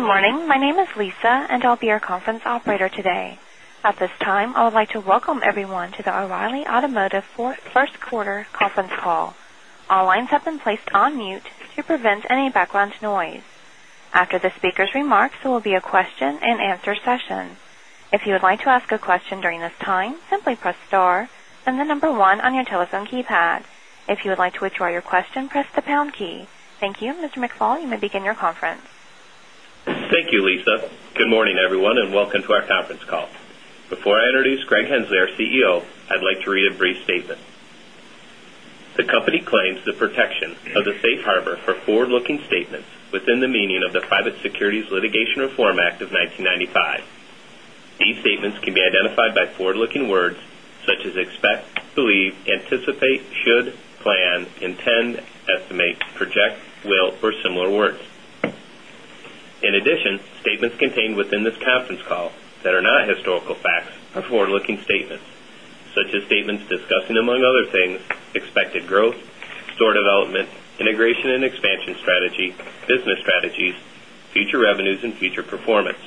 Good morning. My name is Lisa, and I'll be your conference operator today. At this time, I would like to welcome everyone to the O'Reilly Automotive First Quarter Conference Call. All lines have been placed on mute to prevent any background noise. After the speakers' remarks, there will be a question and answer session. Thank you. Mr. McFall, you may begin your conference. Thank you, Lisa. Good morning, everyone, and welcome to our conference call. Before I introduce Greg Hensley, our CEO, I'd like to read a brief statement. The company claims the protection of the Safe Harbor for forward looking statements within the meaning of the Private Securities Litigation Reform Act of 1995. These statements can be by forward looking words such as expect, believe, anticipate, should, plan, intend, estimate, project, will or similar words. In addition, statements contained within this conference call that are not historical facts are forward looking statements, such as statements discussing, among other things, expected growth, store development, integration and expansion strategy, business strategies, future revenues and future performance.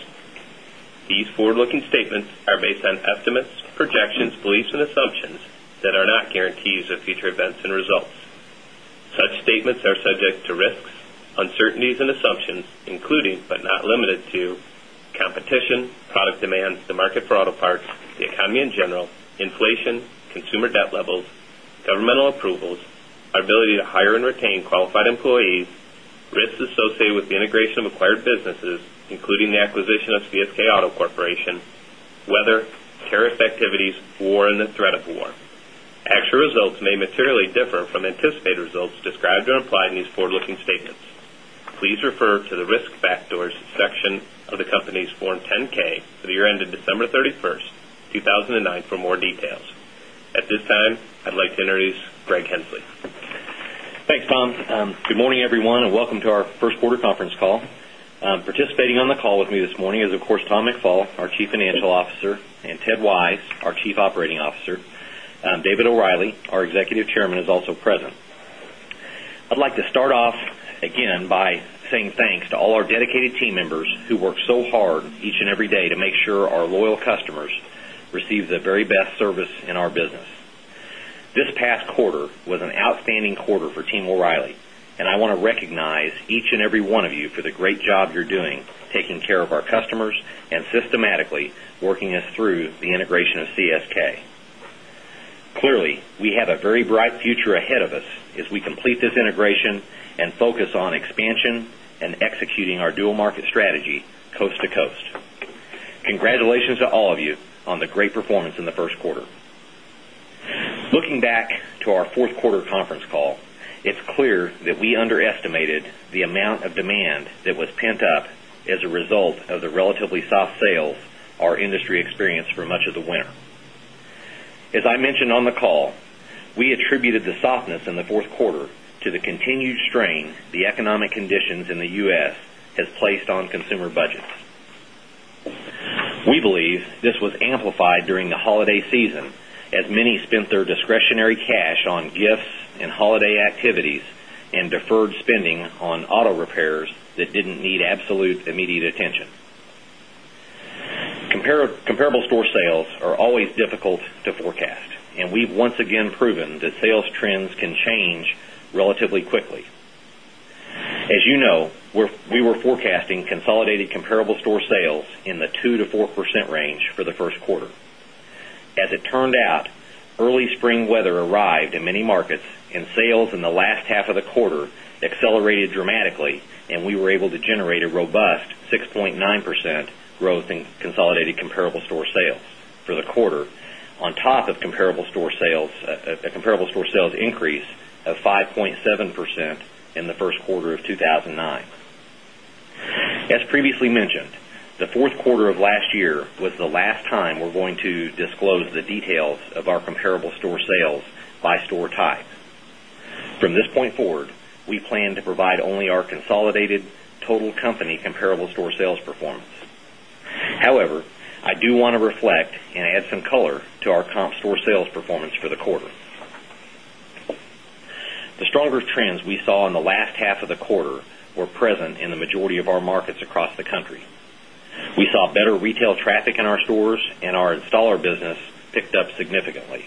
These forward looking statements are based on estimates, projections, beliefs and assumptions that are not guarantees of future events and results. Such statements are subject to risks, uncertainties and assumptions, including but not limited to competition, product demand, the market for auto parts, the economy in general, inflation, consumer debt levels, governmental approvals, our ability to hire and retain qualified employees, risks associated with the integration of acquired businesses, including the acquisition of CSK Auto Corporation, weather, tariff activities or in the threat of war. Actual results may materially differ from anticipated results described or implied in these forward looking statements. Please refer to the Risk Factors section of the company's Form 10 ks for the year ended December 31, 2009 for more details. At this time, I'd like to introduce Greg Hensley. Thanks, Tom. Good morning, everyone, and welcome to our Q1 conference call. Participating on the call with me this morning is, of course, Tom McFall, our Chief Financial Officer and Ted Wise, our Chief Operating Officer. David O'Reilly, our Executive Chairman is also present. I'd like to start off again by saying thanks to all our dedicated team members who work so hard each and every day to make sure our loyal customers receive the very best service in our business. This past quarter was an outstanding quarter for team O'Reilly, and I want to recognize each and every one of you for the great job you're doing taking care of our customers and systematically working us through the integration of CSK. Clearly, we have a very bright future ahead of us as we complete this integration and focus on expansion and executing our dual market strategy coast to coast. Congratulations to all of you on the great performance in the Q1. Looking back to our Q4 conference call, it's clear that we underestimated the amount of demand that was pent up as a result of the relatively soft sales our industry experienced for much of the winter. As I mentioned on the call, we attributed the softness in the 4th quarter to the continued strain the economic conditions in the U. S. Has placed on consumer budgets. We believe this was amplified during the holiday season as many spent their discretionary cash on gifts and holiday activities and deferred spending repairs that didn't need absolute immediate attention. Comparable store sales are always difficult to forecast and we've once again proven that sales trends can change relatively quickly. As you know, we were forecasting consolidated comparable store sales in the 2% to 4% range for the Q1. As it turned out, early spring weather arrived in many markets and sales in the last half of the quarter accelerated dramatically and we were able to generate a robust 6.9% growth in consolidated comparable store sales for the quarter on top of comparable store sales increase of 5.7% in the Q1 of 2019. As previously mentioned, the Q4 of last year was the last time we're going to disclose the details of our comparable store sales by store type. From this point forward, we plan to provide only our consolidated total company comparable store sales performance. However, I do want to reflect and add some color to our comp store sales performance for the quarter. The stronger trends we saw in the last half of the quarter were present in the majority of our markets across the country. We saw better retail traffic in our stores and our installer business picked up significantly.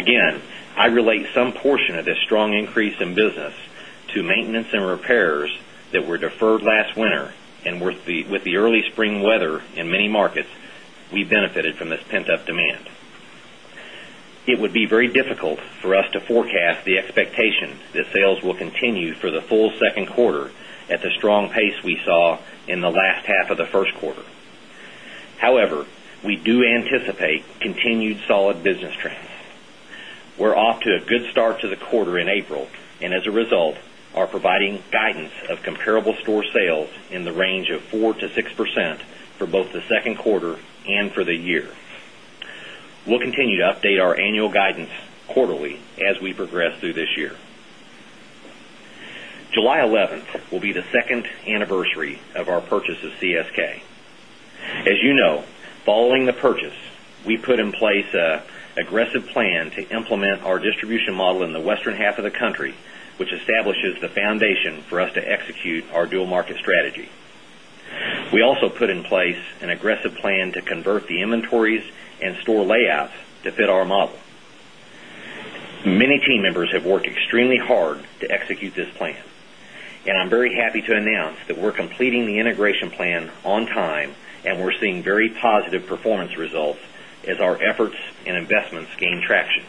Again, I relate some portion of this strong increase in business to maintenance and repairs that were deferred last winter and with the early spring weather in many markets, we benefited from this pent up demand. It would be very difficult for us to forecast the expectation that sales will continue for the full second quarter at the strong pace we saw in the last half of the first quarter. However, we do anticipate continued solid business trends. We're off to a good start to the quarter in April and as a result are providing guidance of comparable store sales in the range of 4% to 6% for both the Q2 and for the year. We'll continue to update our annual guidance quarterly as we progress through this year. July 11 will be the 2nd anniversary of our purchase of CSK. As you know, following the purchase, we put in place aggressive plan to implement our distribution model in the western half of the country, which establishes the foundation for us to execute dual market strategy. We also put in place an aggressive plan to convert the inventories and store layouts to fit our model. Many team members have worked extremely hard to execute this plan. And I'm very happy to announce that we're completing the integration plan on time and we're seeing very positive performance results as our efforts and investments gain traction.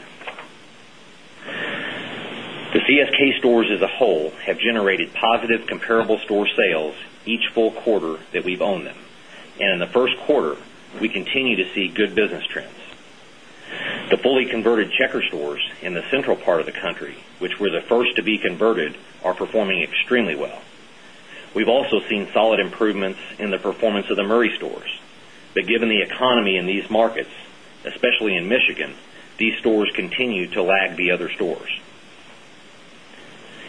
The CSK stores as a whole have generated positive comparable store sales each full quarter that we've owned them. And in the Q1, we continue to see good business trends. The fully converted checker stores in the central part of the country, which were the first to be converted, are performing extremely well. We've also seen solid improvements in the performance of the Murray stores. But given the economy in these markets, especially in Michigan, these stores continue to lag the other stores.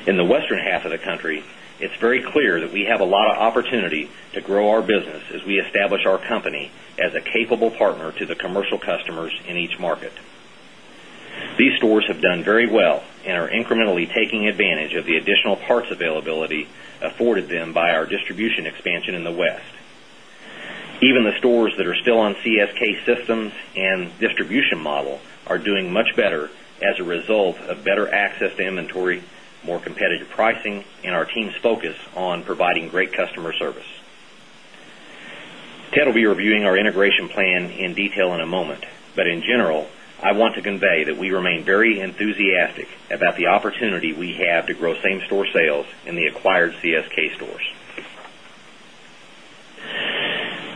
In the western half of the country, it's very clear that we have a lot of opportunity to grow our business as we establish our company as a capable partner to the commercial customers in each market. These stores have done very well and are incrementally taking advantage of the additional parts availability afforded them by our distribution expansion in the West. Even the stores that are still on CSK systems and distribution model are doing much better as a result of better access to inventory, more competitive pricing and our team's focus on providing great customer service. Ted will be reviewing our integration plan in detail in a moment, but in general, I want to convey that we remain very enthusiastic about the opportunity we have to grow same store sales in the acquired CSK stores. Many of CSK stores.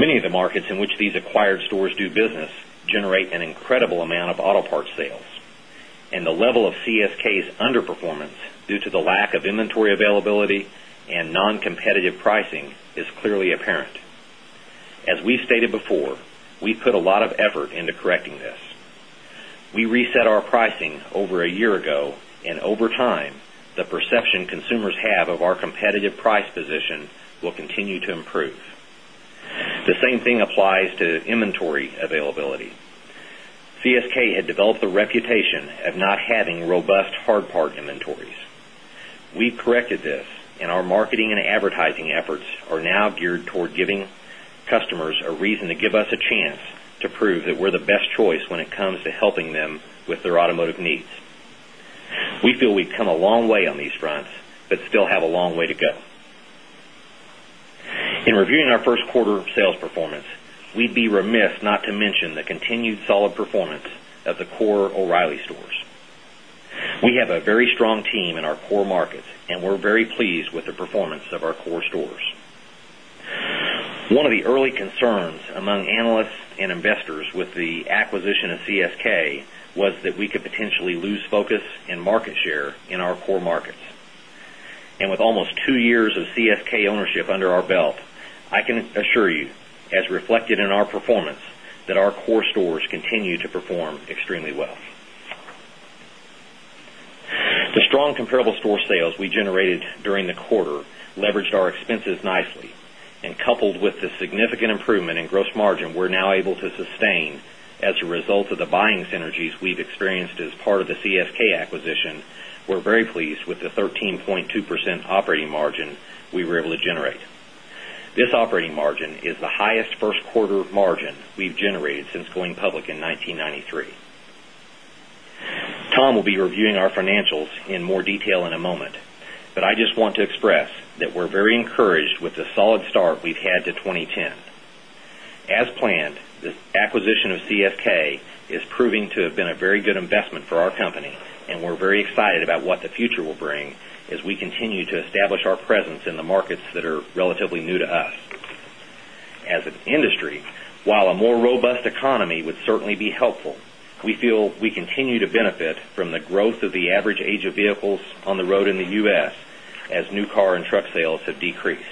Many of the markets in which these acquired stores do business generate an incredible amount of auto parts sales and the level of CSK's underperformance due to the lack of inventory availability and noncompetitive pricing is clearly apparent. As we stated before, we due to the lack of inventory availability and noncompetitive pricing is clearly apparent. As we've stated before, we put a lot of effort into correcting this. We reset our pricing over a year ago and over time the perception consumers have of our competitive price position continue to improve. The same thing applies to inventory availability. CSK had developed a reputation of not having robust hard part inventories. We've corrected this and our marketing and advertising efforts are now geared toward giving customers a reason to give us a chance to prove that we're the best choice when it comes to helping them with their automotive needs. We feel we've come a long way on these fronts, but still have a long way to go. In reviewing our Q1 sales performance, we'd be remiss not to mention the continued solid performance of the core O'Reilly stores. We have a very strong team in our core markets and we're very pleased with the performance of our core stores. One of the early concerns among analysts and investors with the acquisition of CSK was that we could potentially lose focus and market share in our core markets. And with almost 2 years of CSK ownership under our belt, I can assure you as reflected in our performance that our core stores continue to perform extremely well. The strong comparable store sales we generated during the quarter leveraged our expenses nicely and coupled with the significant improvement in gross margin we're now able to sustain as a result of the buying synergies we've experienced as part of the CSK acquisition, we're very pleased with the 13.2% operating margin we were able to generate. This operating margin is the highest first quarter margin we've generated since going public in 1993. Tom will be reviewing our financials in more detail in a moment, but I just want to express that we're very encouraged with the solid start we've had to 2010. As planned, this acquisition of CSK is proving to have been a very good investment for our company and we're very excited about what the future will bring as we continue to establish our presence in the markets that are relatively new to us. As an industry, while a more robust economy would certainly be helpful, we feel we continue to benefit from the growth of the average age of vehicles on the road in the U. S. As new car and truck sales have decreased.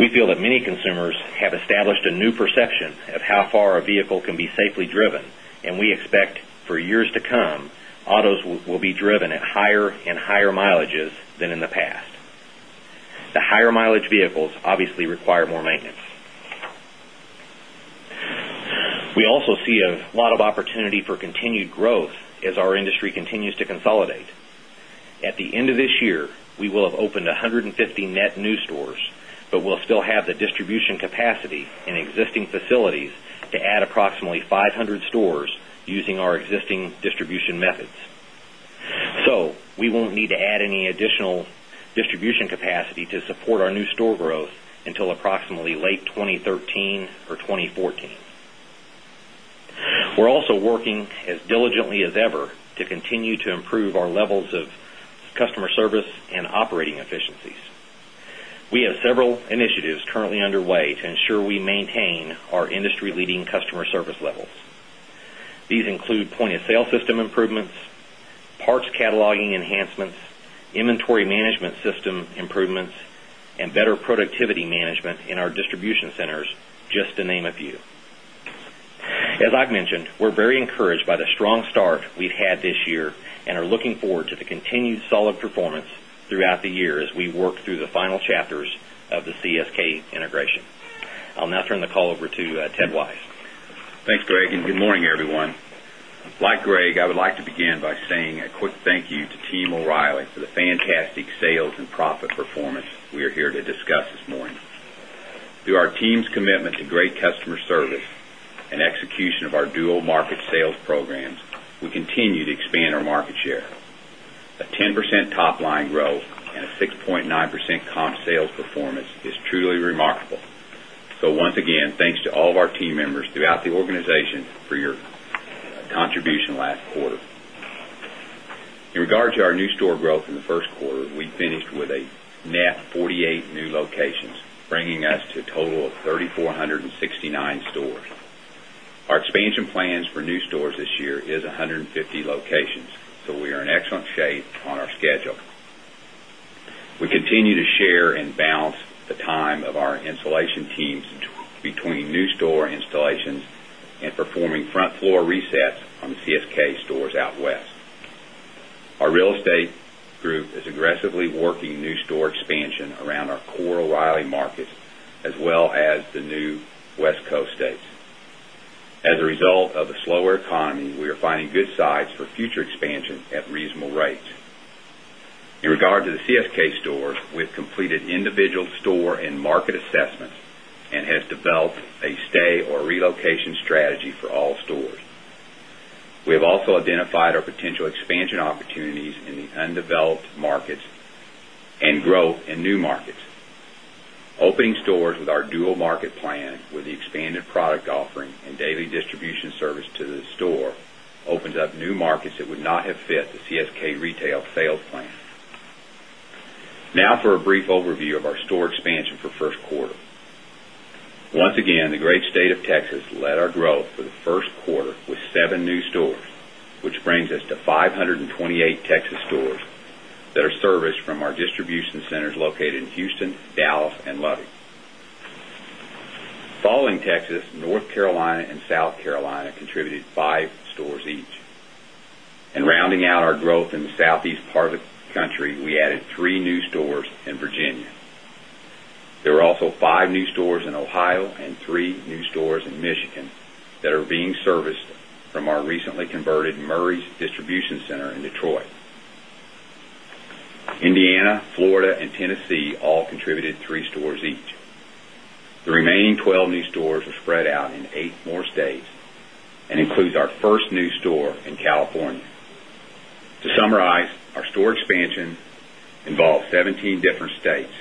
We feel that many consumers have established a new perception of how far a vehicle can be safely driven and we expect for years to come, autos will be driven at at higher and higher mileages than in the past. The higher mileage vehicles obviously require more maintenance. We also see a lot of opportunity for continued growth as our industry continues to to consolidate. At the end of this year, we will have opened 150 net new stores, but we'll still have the distribution capacity in existing facilities to add approximately 500 stores using our existing distribution methods. So, we won't need to add any additional distribution capacity to support our new store growth until approximately late 2013 or 2014. We're also working as diligently as ever to continue to improve our levels of customer service and operating efficiencies. We have several initiatives currently underway to ensure we maintain our industry leading customer service levels. These include point of sale system improvements, parts cataloging enhancements, inventory management system improvements and better productivity management in our distribution centers, just to name a few. As I've mentioned, we're very encouraged by the strong start we've had this year and are looking forward to the continued solid performance throughout the year as we work through the final chapters of the CSK integration. I'll now turn the call over to Ted Wise. Thanks, Greg, and good morning, everyone. Like Greg, I would like to begin by saying a quick thank you to team O'Reilly for the fantastic sales and profit performance we are here to discuss this morning. Through our team's commitment to great customer service and execution of our dual market sales programs, we continue to expand our market share. A 10 A 10% top line growth and a 6.9% comp sales performance is truly remarkable. So once again, thanks to all of our team members throughout the organization for your contribution last quarter. In regard to our new store In regard to our new store growth in the Q1, we finished with a net 48 new locations, bringing us to a total of 3,469 stores. Our expansion plans for new stores this year is 150 locations, so we are in CSK CSK stores out west. Our real estate group is aggressively working new store expansion around our core O'Reilly markets as well as the new West Coast states. As a result of the slower economy, we are finding good sites for future expansion at reasonable rates. In regard to the CSK stores, we have completed individual store and market assessments and has developed a stay or relocation strategy for all stores. We have also identified our potential expansion opportunities in the undeveloped markets and growth in new markets. Opening stores with our dual market plan with the expanded product offering and daily distribution service to the store opens up new markets that would not fit the CSK retail sales plan. Now for a brief overview of our store expansion for Q1. Once again, the great state of Texas led our growth for the Q1 with 7 new stores, which brings us to 528 Texas stores that are serviced from our distribution centers located in Houston, Dallas and Lubbock. Following Texas, North Carolina and South Carolina contributed 5 stores each. And rounding out our growth in the Southeast part of the country, we added 3 new stores in Virginia. There were also 5 new stores in Ohio and 3 new stores in Michigan that are being serviced from our recently converted Murray's distribution center in Detroit. Indiana, distribution center in Detroit. Indiana, Florida and Tennessee all contributed 3 stores each. The remaining 12 new stores are spread out in 8 more states and includes our first new store in California. To summarize, our store expansion involves 17 different states,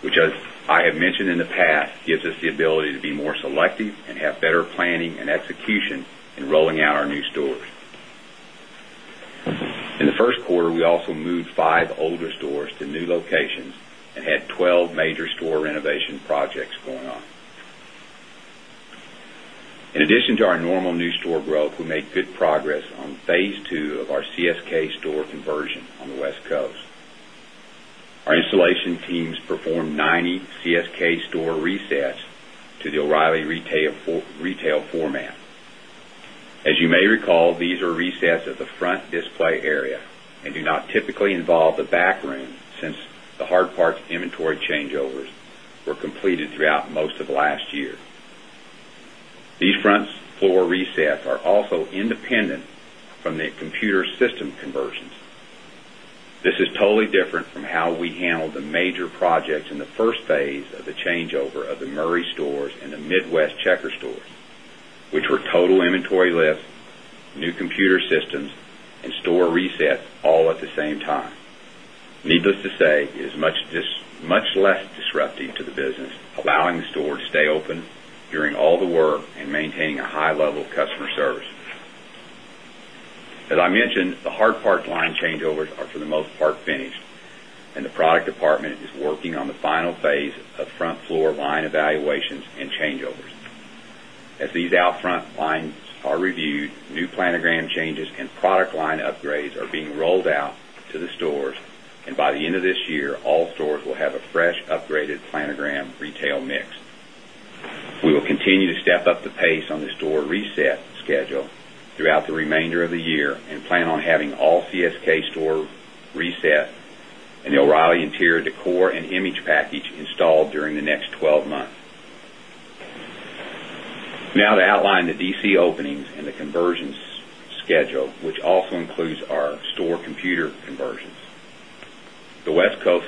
which as I have mentioned in the past, gives us the ability to be more selective and have better planning and execution in rolling out our new stores. In the Q1, we also moved 5 older stores to new locations and had 12 major store renovation projects on. In addition to our normal new store growth, we made good progress on Phase 2 of our CSK store conversion on the West Coast. Our installation teams performed 90 CSK store resets to the O'Reilly retail format. As you may recall, these are resets of the front display area and do not typically involve the backroom since the hard parts inventory changeovers were completed throughout most of last year. These front floor resets are also independent from the computer system conversions. This is totally different from how we handled the the major projects in the first phase of the changeover of the Murray stores and the Midwest Checker stores, which were total inventory lift, new computer systems and store reset all at the same time. Needless to say, it is much less disruptive to the business, allowing the store to stay open during all the work and maintaining a high level of customer service. As I mentioned, the hard part line changeovers are for the most part finished and the product department is working on the final phase of front floor line evaluations and changeovers. As these out front lines are reviewed, new planogram changes and product line upgrades are being rolled out to the stores and by the end of this year all stores will have a fresh upgraded planogram retail mix. We will continue to step up the pace on the store reset schedule throughout the remainder of the year and plan on having all CSK store reset and the O'Reilly interior decor and image package installed during the next 12 months. Now to outline the DC openings Now to outline the DC openings and the conversion schedule, which also includes our store computer conversions. The West Coast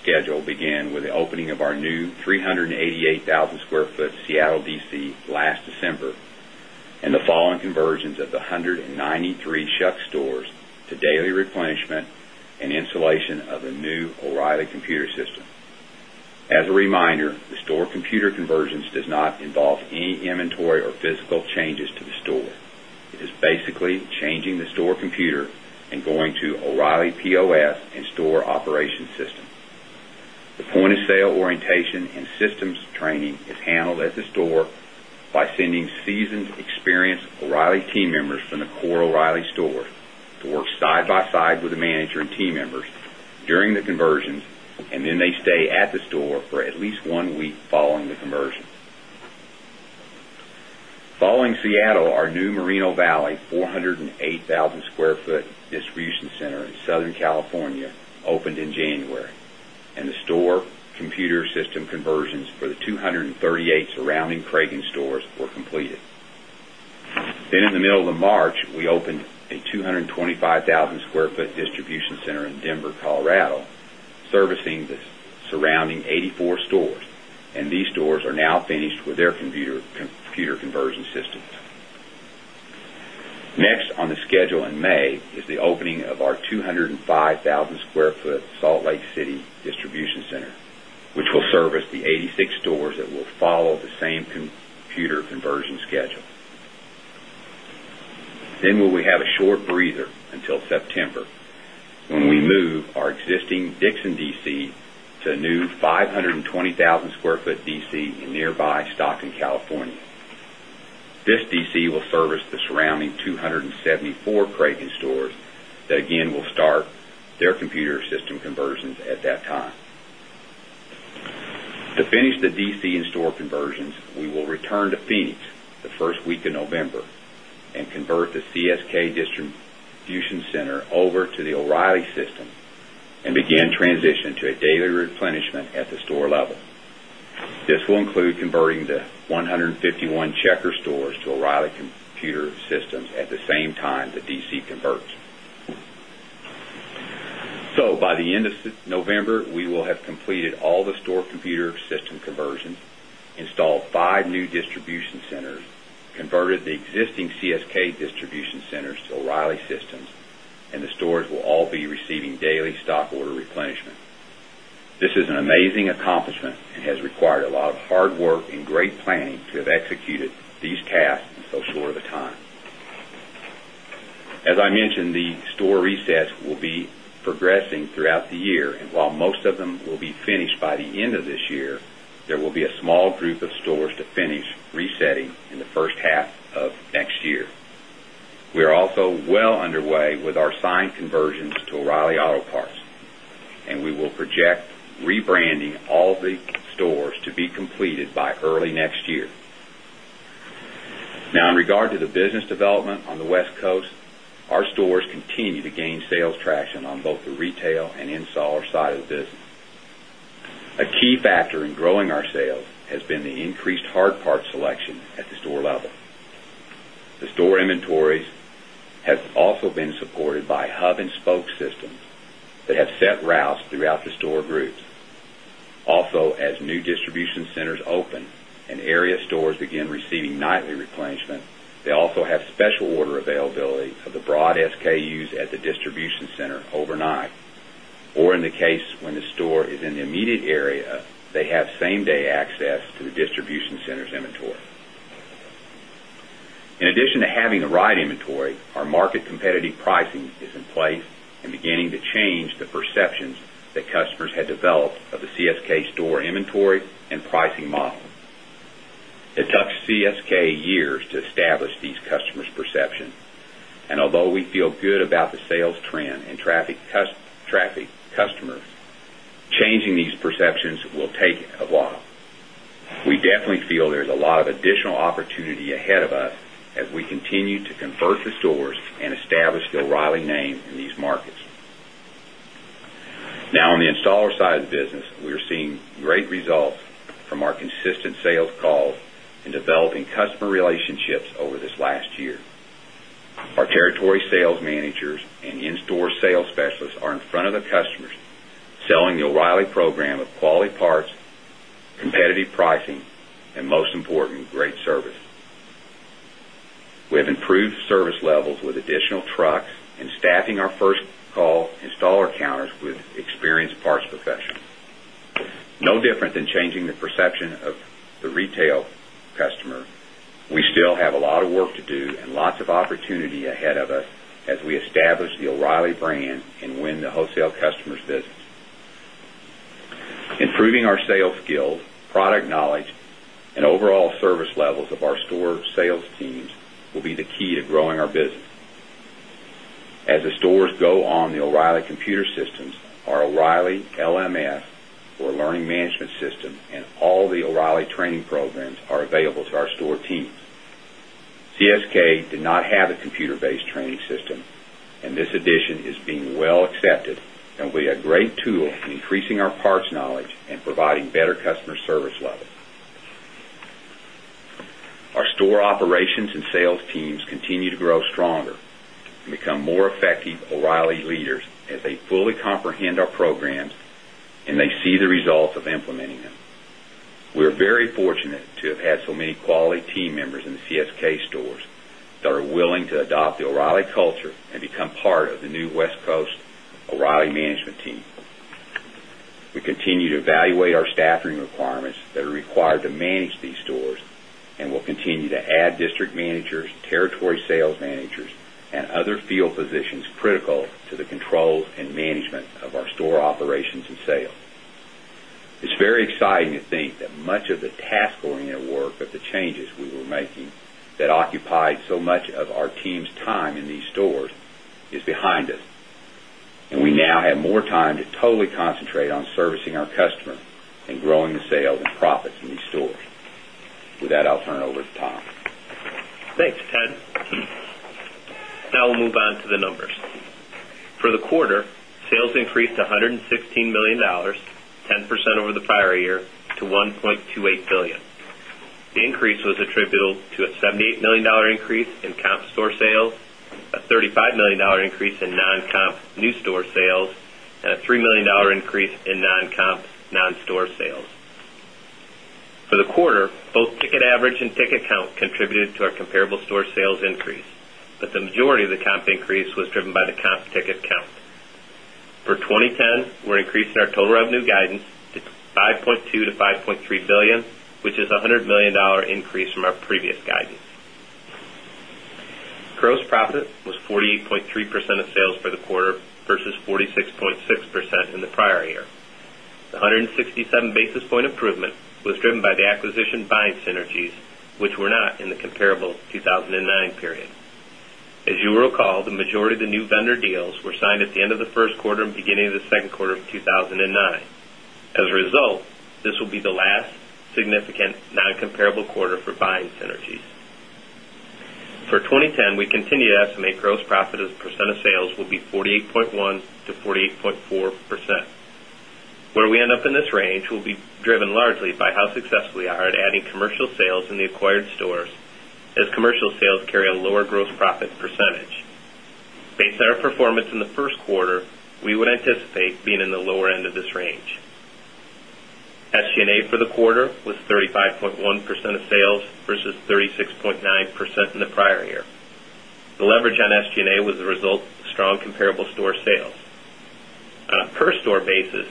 schedule began with the opening of our new 388,000 Square Foot Seattle DC last December and the following conversions of the 193 Shuck stores to daily replenishment and installation of a new O'Reilly computer system. As a reminder, the store computer conversion does not involve any inventory or physical changes to the store. It is basically changing the store computer and going to O'Reilly POS and store operation system. The point of sale orientation and systems training is handled at the store by sending seasoned experienced O'Reilly team members from the core O'Reilly store to work side by side with the manager and team members during the conversions and they stay at the store for at least 1 week following the conversion. Following Seattle, our new Moreno Valley 408,000 square foot distribution center in Southern California opened in January and the store computer system conversions for the 238 surrounding Krogan stores were completed. Then in the middle of the March, we opened a 225,000 square foot distribution center in Denver, Colorado, servicing the surrounding 84 stores and these stores are now finished with their computer conversion systems. Next on the schedule in May is the opening of our 205,000 Square Foot Salt Lake City Distribution Center, which will service the 86 stores that will follow the same computer conversion schedule. Then we'll have a short have a short breather until September, when we move our existing Dixon DC to a new 520,000 square foot DC in nearby Stockton, California. This DC will service the surrounding 274 Kraken stores that again will start their computer system conversions at that time. To finish the DC in store conversions, we will return to Phoenix the 1st week of November and convert the CSK distribution center over to the O'Reilly system and begin transition to a daily replenishment at the store level. This will include converting the 100 and 51 checker stores to O'Reilly computer systems at the same time the DC converts. So by the end of November, we will have completed all the store computer system replenishment. This is an amazing accomplishment and has required a lot of hard work and great planning to have executed these tasks in so short of a time. As I mentioned, the store resets will be progressing throughout the year and while most of them will be finished by the end of this year, there will be a small group of stores to finish resetting in the first half of next year. We are also well underway with our signed conversions to O'Reilly Auto Parts. And we will project rebranding all the stores to be completed by early next year. Now in regard to the business development on the West Coast, our stores continue to gain sales traction on both the retail and installer side of the business. A key factor in growing our sales has been the increased hard part selection at the store level. The store inventories have also been supported by hub and spoke systems that have set routes throughout the store groups. Also as new distribution centers open and area stores begin receiving nightly replenishment, they also have special order availability of the broad SKUs at the distribution center overnight. Or in the case when the store is in the immediate area, they have same day access to the distribution center's inventory. In addition to having the right inventory, our market competitive pricing is in place and beginning to change the perceptions that customers had developed of the CSK store inventory and pricing model. It took CSK years to establish these customers' perception. And although we feel good about the sales trend in traffic customers, changing these perceptions will take a while. We definitely feel there's a lot of additional opportunity ahead of us as we continue to convert the stores and establish the O'Reilly name in these markets. Now on the installer side of the business, we are seeing great results from our consistent sales calls and developing customer relationships over this last year. Our territory sales managers and in store sales specialists are in front of the customers, selling the O'Reilly program of quality parts, competitive pricing and most important, great service. We have improved service levels with additional trucks and staffing our 1st call installer counters with experienced parts professionals. No different than changing the perception of the retail customer, we still have a lot of work to do and lots of opportunity ahead of us as we establish the O'Reilly brand and win the wholesale customer's business. Improving our sales skills, product knowledge and overall service levels of our store sales teams will be the key to growing our business. As the stores go on the O'Reilly computer systems, our O'Reilly LMS or Learning Management System and all the O'Reilly training programs are available to our store teams. CSK did not have a computer based training system and this addition is being well accepted and will be a great tool in increasing our parts knowledge and providing better customer service level. Our store operations and sales teams continue to grow stronger and become more effective O'Reilly leaders as they fully comprehend our programs and they see the results of implementing them. We are very fortunate to have had so many quality team members in the CSK stores that are willing to adopt the O'Reilly culture and become part of the new West Coast O'Reilly management team. We continue to evaluate our staffing requirements that are required to manage these stores and will continue to add district managers, territory sales managers and other field positions critical to the control and management of our store operations and sales. It's very exciting to think that much of the task oriented work of the changes we were making that occupied so much of our team's time in these stores is behind us. And we now have more time to totally concentrate on servicing our customer and growing the sales and profits in these stores. With that, I'll turn it over to Tom. Thanks, Ted. Now we'll move on to the numbers. For the quarter, quarter, sales increased $116,000,000 10 percent over the prior year to $1,280,000,000 The increase was attributable to a $78,000,000 increase in comp store sales, a 35 $1,000,000 increase in non comp non store sales. For the quarter, both ticket average and ticket count contributed to our comparable store sales increase, but the majority of the comp increase was driven by the comp ticket count. For 2010, we're increasing our total revenue guidance to $5,200,000,000 to $5,300,000,000 which is $100,000,000 increase from our previous guidance. Gross profit was 8.3% of sales for the quarter versus 46.6% in the prior year. The 167 basis point improvement was driven by the acquisition buying synergies, which were not in the comparable 2,009 period. As you will recall, the majority of the new vendor deals were signed at the end of the Q1 and beginning of Q2 of 2009. As a result, this will be the last significant non comparable quarter for buying synergies. For 2010, we continue to estimate gross profit as a percent of sales will be 48.1% to 48.4%. Where we end up in this range will be driven largely by how successful we are at adding commercial sales in the acquired stores as commercial sales carry a lower gross profit percentage. Based on our performance in the Q1, we would anticipate being in the lower end of this range. SG and A for the quarter was 35.1% of sales versus 36.9% in the prior year. The leverage on SG and A was The leverage on SG and A was a result of strong comparable store sales. On a per store basis,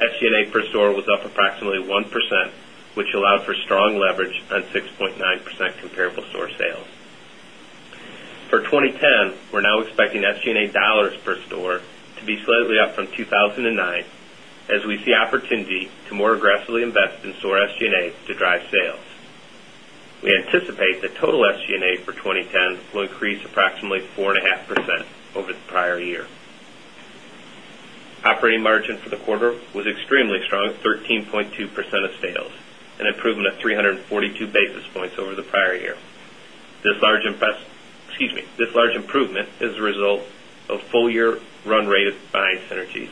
SG and A per store was up approximately 1%, which allowed for strong leverage on 6.9% comparable store sales. For 2010, we're now expecting SG and A dollars per store to be slightly up from 2,009 as we see opportunity to more aggressively invest in store SG and A to drive sales. We anticipate that total SG and A for 2010 will increase approximately 4 point 5% over the prior year. Operating margin for the quarter was extremely strong at 13.2 percent of sales, an improvement of 3 42 basis points over the prior year. This large improvement is a result of full year run rate of buying synergies,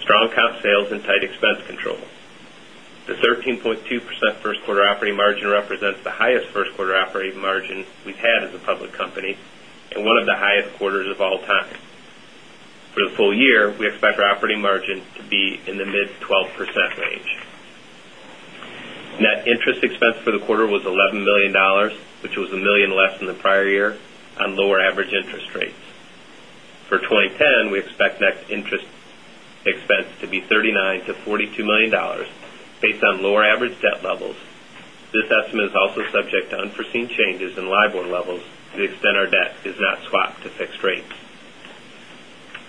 strong comp sales and tight expense control. The 13.2% 1st quarter operating margin represents the highest first quarter operating margin we've had as a public company and one of the highest quarters of all time. For the full year, we expect our operating margin to be in the mid-twelve percent range. Net interest expense for the quarter was $11,000,000 which was $1,000,000 less than prior year on lower average interest rates. For 2010, we expect net interest expense to be $39,000,000 to $42,000,000 based on lower average debt levels. This estimate is also subject to unforeseen changes in LIBOR levels to the extent our debt is not swapped to fixed rates.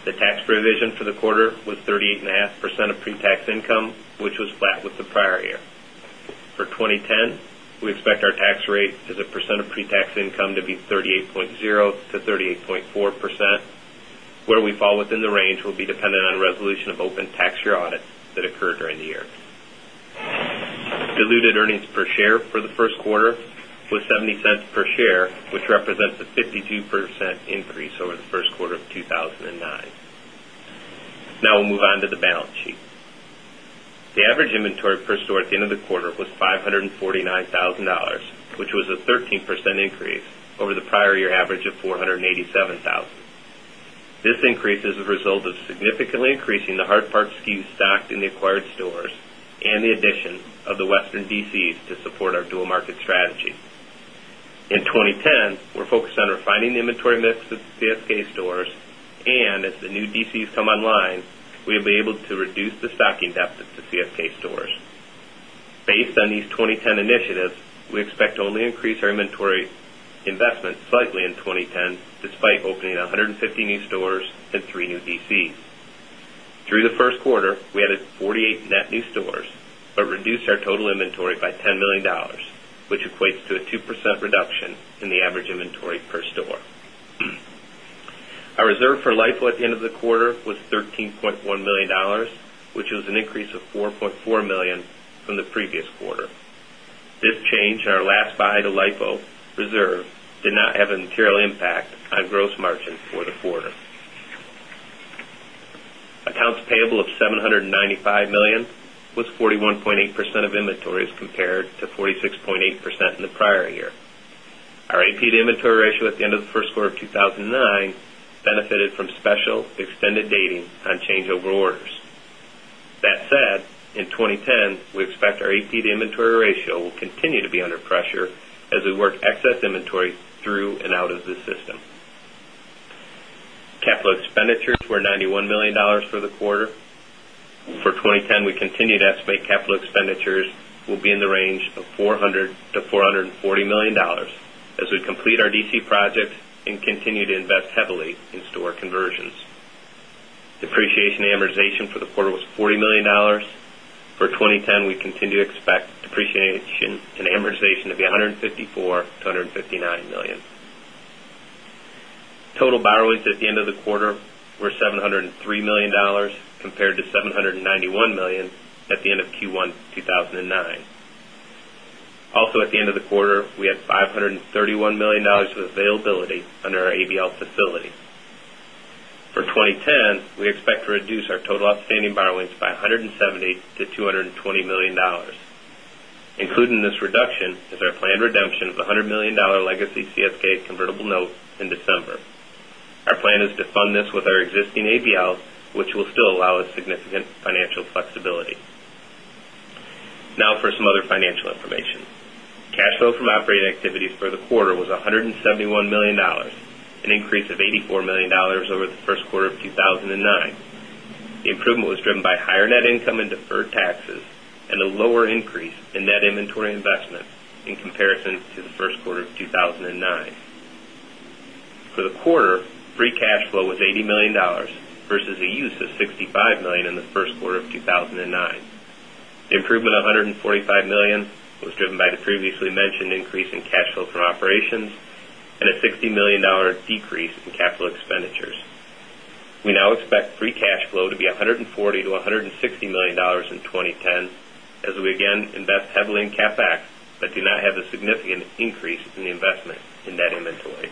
The tax provision for the quarter was 38.5 percent of pre tax income, which was flat with the prior year. For 2010, we expect our tax rate as a percent of pretax income to be 38.0 percent to 38.4 percent. Where we fall within the range will be dependent on resolution of open tax year audit that occurred during the year. Diluted earnings per share for the first quarter was $0.70 per share, which represents a 52% increase over the Q1 of 2009. Now we'll move on to the balance sheet. The average inventory per store at the end of the quarter was 5 $149,000 which was a 13% increase over the prior year average of $487,000 This increase is a result of significantly increasing the hard part SKUs stocked in the acquired stores and the addition of the Western DCs to support our dual market strategy. In 2010, we're focused on refining the inventory mix of CSK stores and as the new DCs come online, we'll be able to reduce the stocking depth of the CFT stores. Based on these 2010 initiatives, we expect to only increase our inventory investment slightly in 2010 despite opening 150 new stores and 3 new DCs. Through the first quarter, we added 48 net new stores, but reduced our total inventory by $10,000,000 which equates to a 2% reduction in the average inventory per store. Our reserve for LIFO at the end of the quarter was 13,100,000 dollars which was an increase of $4,400,000 from the previous quarter. This change in our last buy to LIFO reserve did not have a material impact on gross margin for the quarter. Accounts payable of 7 $95,000,000 was 41.8 percent of inventories compared to 46.8 percent in the prior year. Our AP to inventory ratio at the end of the Q1 of 2,009 benefited from special extended dating on changeover orders. That said, in 2010, we expect our AP to inventory ratio will continue to be under pressure as we work excess inventory through and out of the system. Capital expenditures were $91,000,000 for the quarter. For 2010, we continue to estimate capital expenditures will be in the range of $400,000,000 to $440,000,000 as we complete our DC project and continue to invest heavily in store conversions. Depreciation and amortization for the quarter was $40,000,000 For 2010, we continue to expect depreciation and amortization to be 100 and $54,000,000 to $159,000,000 Total borrowings at the end of the quarter were $703,000,000 compared to $791,000,000 at the end of Q1, 2009. Also at the end of the quarter, we had 5 $31,000,000 of availability under our ABL facility. For 2010, we expect to reduce our total outstanding borrowings by $170,000,000 to $220,000,000 Included in this reduction is our planned redemption of the $100,000,000 legacy CSK convertible note in December. Our plan is to fund this with our existing ABLs, which will still allow us significant financial flexibility. Now for some other financial information. Cash flow from operating activities for the quarter was $171,000,000 an increase of $84,000,000 over the Q1 of 2,009. The improvement was driven by higher net income and deferred taxes and a lower increase in net inventory investment in comparison to the Q1 of 2019. For the quarter, free cash flow was $80,000,000 versus a use of $65,000,000 in the Q1 of 2019. The improvement of $145,000,000 was driven by the previously mentioned increase in cash flow from operations and a $60,000,000 decrease in capital expenditures. We now expect free cash flow to be $140,000,000 to $160,000,000 in 20.10 as we again invest heavily in CapEx, but do not have a significant increase in the investment in that inventory.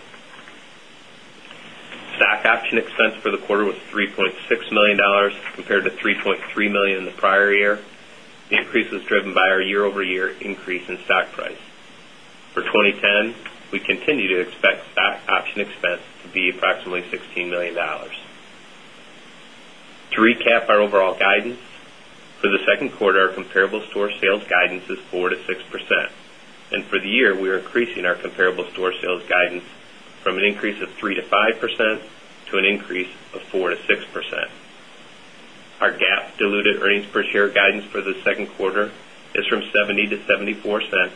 Stock option expense for the quarter was $3,600,000 compared to $3,300,000 in the prior year. The increase was driven by our year over year increase in stock price. For 2010, we continue to expect stock option expense to be approximately $16,000,000 To recap our overall guidance, for the Q2, our comparable store sales guidance is 4% to 6 percent. And for the year, we are increasing our comparable store sales guidance from an increase of 3% to 5% to an increase of 4% to 6%. Our GAAP diluted earnings per share guidance for the Q2 is from $0.70 to $0.74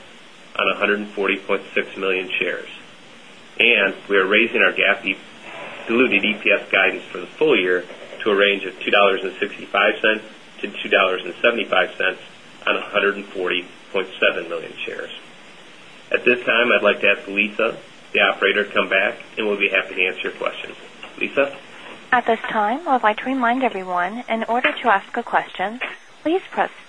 on 140,600,000 shares. And we are raising our GAAP diluted EPS guidance for the full year to a range of $2.65 to 2.75 7,000,000 shares. At this time, I'd like to ask Lisa, the operator, to come back and we'll be happy to answer your questions. Lisa? Your first question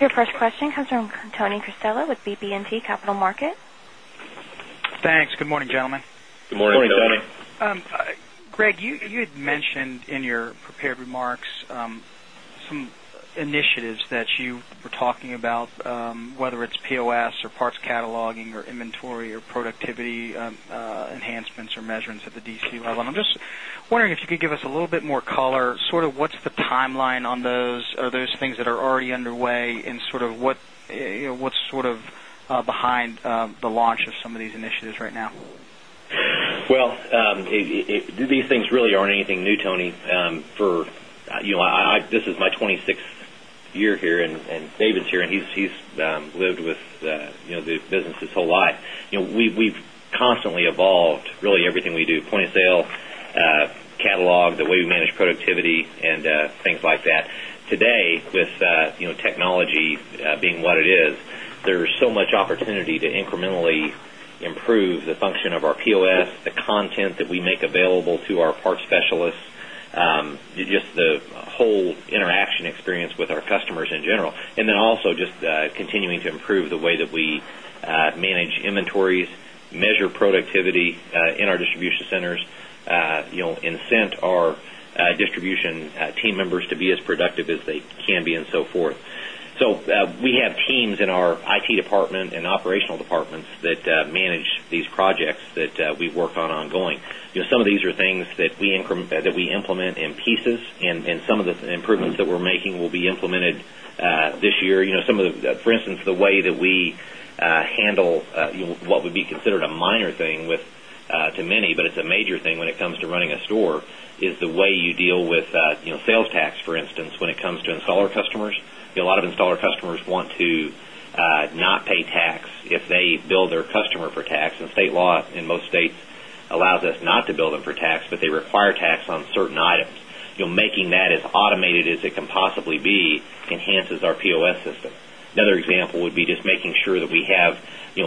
Your first question comes from Tony Cristella with BB and T Capital Markets. Thanks. Good morning, gentlemen. Good morning, Tony. Greg, you had mentioned in your prepared remarks some initiatives that you were talking about whether it's POS or parts cataloging or inventory or productivity enhancements or measurements at the DC level. And I'm just wondering if you could give us a little bit more color sort of what's the timeline on those? Are those things that are already underway and sort of what's sort of behind the launch of some of these initiatives right now? Well, these things really aren't anything new, Tony, for this is my 26th year here and David's here and he's lived with the business his whole life. We've constantly evolved really everything we do, point of sale, catalog, the way we manage productivity, we manage productivity and things like that. Today, with technology being what it is, there's so much opportunity to incrementally improve the function of our POS, the content that we make available to our we make available to our part specialists, just the whole interaction experience with our customers in general. And then also just continuing to improve the way that we manage inventories, measure productivity in our distribution centers, incent our distribution manage these projects that we work on ongoing. Some of these are things that manage these projects that we work on ongoing. Some of these are things that we implement in pieces and some of the improvements that we're making will be implemented this year. Some of the for instance, the way that we handle what would be considered a minor thing with to many, but it's a major thing when it comes to running a store is the way you deal with sales tax, for instance, when it comes to installer customers. A lot of installer customers want to not pay tax if they bill their customer for tax. And state law in most states allows us not to bill them for tax, but they require tax on certain items. Making that as automated as it can possibly be enhances our POS system. Another example would be just making sure that we have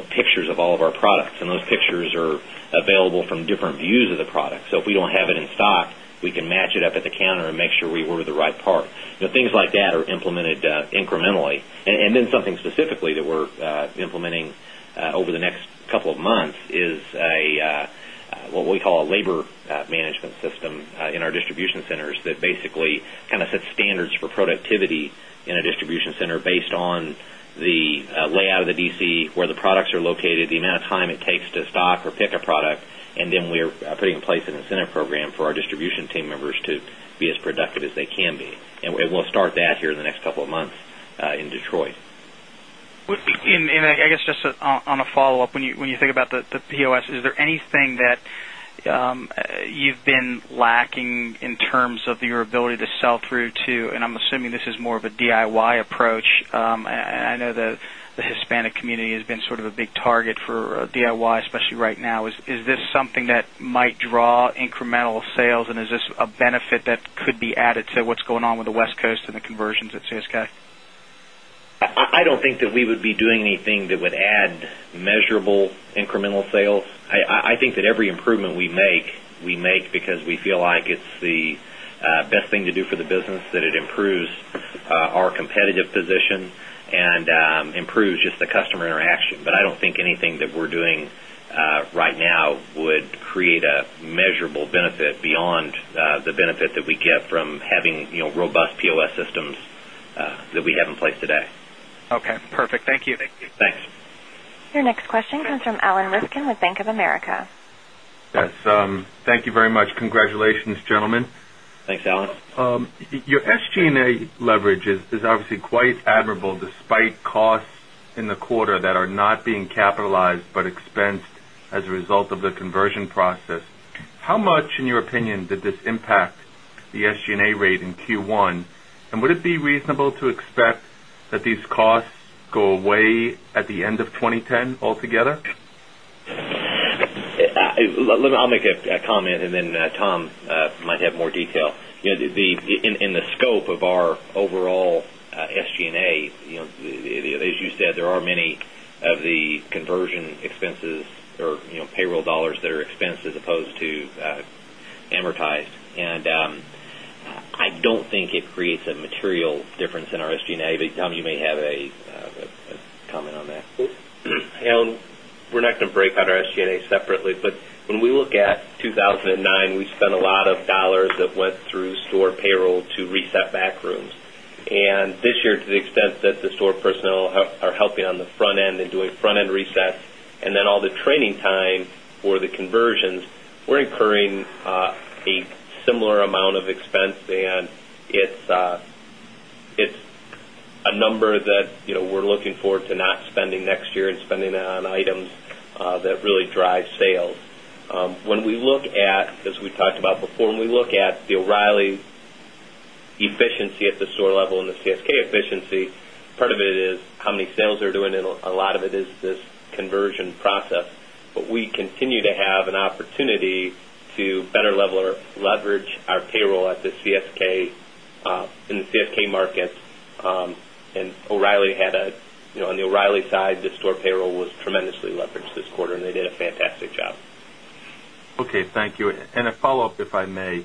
pictures of all of our products and those pictures are available from different views of the product. So if we don't have it in stock, we can match it up at the counter and make sure we order the right part. Things like that are implemented incrementally. And then something specifically that we're implementing over the next couple of months is a what we call a labor management system in our distribution centers that basically kind of set standards for productivity in a distribution center based on the layout of the DC, where the products are located, the amount of time it takes to stock or pick a product, and then we are putting in place an incentive program for our distribution team members to be as productive as they can be. And we'll start that here in the next couple of months in Detroit. And I guess just on a follow-up, when you think about the POS, is there anything that you've been lacking in terms of your ability to sell through to and I'm assuming this is more of a DIY approach. I know the Hispanic community has been sort of a big target for DIY especially right now. Is this something that might draw incremental sales and is this a benefit that could be added to what's going on with the West Coast and the conversions at CSK? I don't think that we would be doing anything that would add measurable incremental sales. I think that every improvement we make, we make because we feel like it's the best thing to do for the business that it improves our competitive position and improves just the customer interaction. But I don't think anything that we're doing right now would create a measurable benefit beyond the benefit that we get from having robust POS systems that we have in place today. Okay, perfect. Thank you. Thanks. Your next question comes from Alan Ryskin with Bank of America. Yes. Thank you very much. Congratulations gentlemen. Thanks Alan. Your SG and A leverage is obviously quite admirable despite costs in the quarter that are not being capitalized but expensed as a result of the conversion process. How much in your opinion did this impact the SG and A rate in Q1? And would it be reasonable to expect that these costs go away at the end of 2010 altogether? I'll make a comment and then Tom might have more detail. In the scope of our overall SG and A, as you said, there are many of the conversion expenses or payroll dollars that are expenses opposed to amortized. And I don't think it creates a material difference in our SG and A, but Tom you may have a comment on that. We're not going to break out our SG and A separately. But when we look at 2,009, we spent a lot of dollars that went through store payroll to reset back rooms. And this year, to the extent that the store personnel are helping on the front end and doing front end resets and then all the training time for the conversions, we're incurring a similar amount of expense and it's a number that we're looking forward to not spending next year and spending on items that really drive sales. When we look at as we talked about before, when we look at the O'Reilly efficiency at the store level and the CSK efficiency, part of it is how many sales are doing and a lot of it is this conversion process. But we continue to have an opportunity to better leverage And O'Reilly had a on the O'Reilly side, the store payroll was tremendously leveraged this quarter and they did a fantastic job. Okay. Thank you. And a follow-up if I may.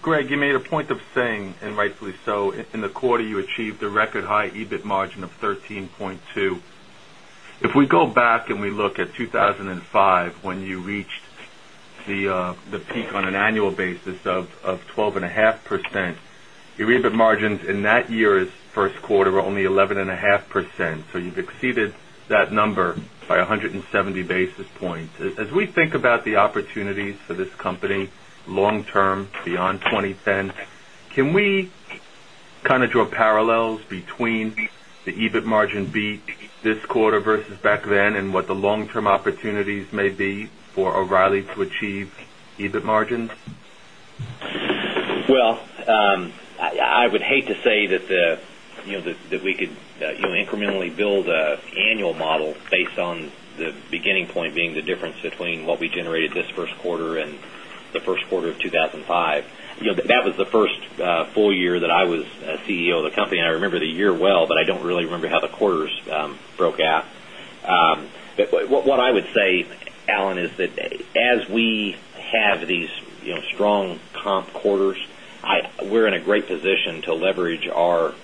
Greg, you made a point of saying and rightly so, in the quarter you achieved a record high EBIT margin of 13.2 percent. If we go back and we look at 2,005 when you reached the peak on an annual basis of 12.5%, your EBIT margins in that year's Q1 were only 11 point 5%. So you've exceeded that number by 170 basis points. As we think about the opportunities for this company long term beyond 2010, can we draw parallels between the EBIT margin beat this quarter versus back then and what the long term opportunities may be for O'Reilly to achieve EBIT margins? Well, I would hate to say that we could incrementally build an annual model based on the beginning point being the difference between what we generated this Q1 and the Q1 of 2,005. That was the first full year that I was CEO of the company. I remember the year well, but I don't really remember how the quarters broke out. What I would say, Alan, is that as we have these strong comp quarters, we're in a great position to leverage our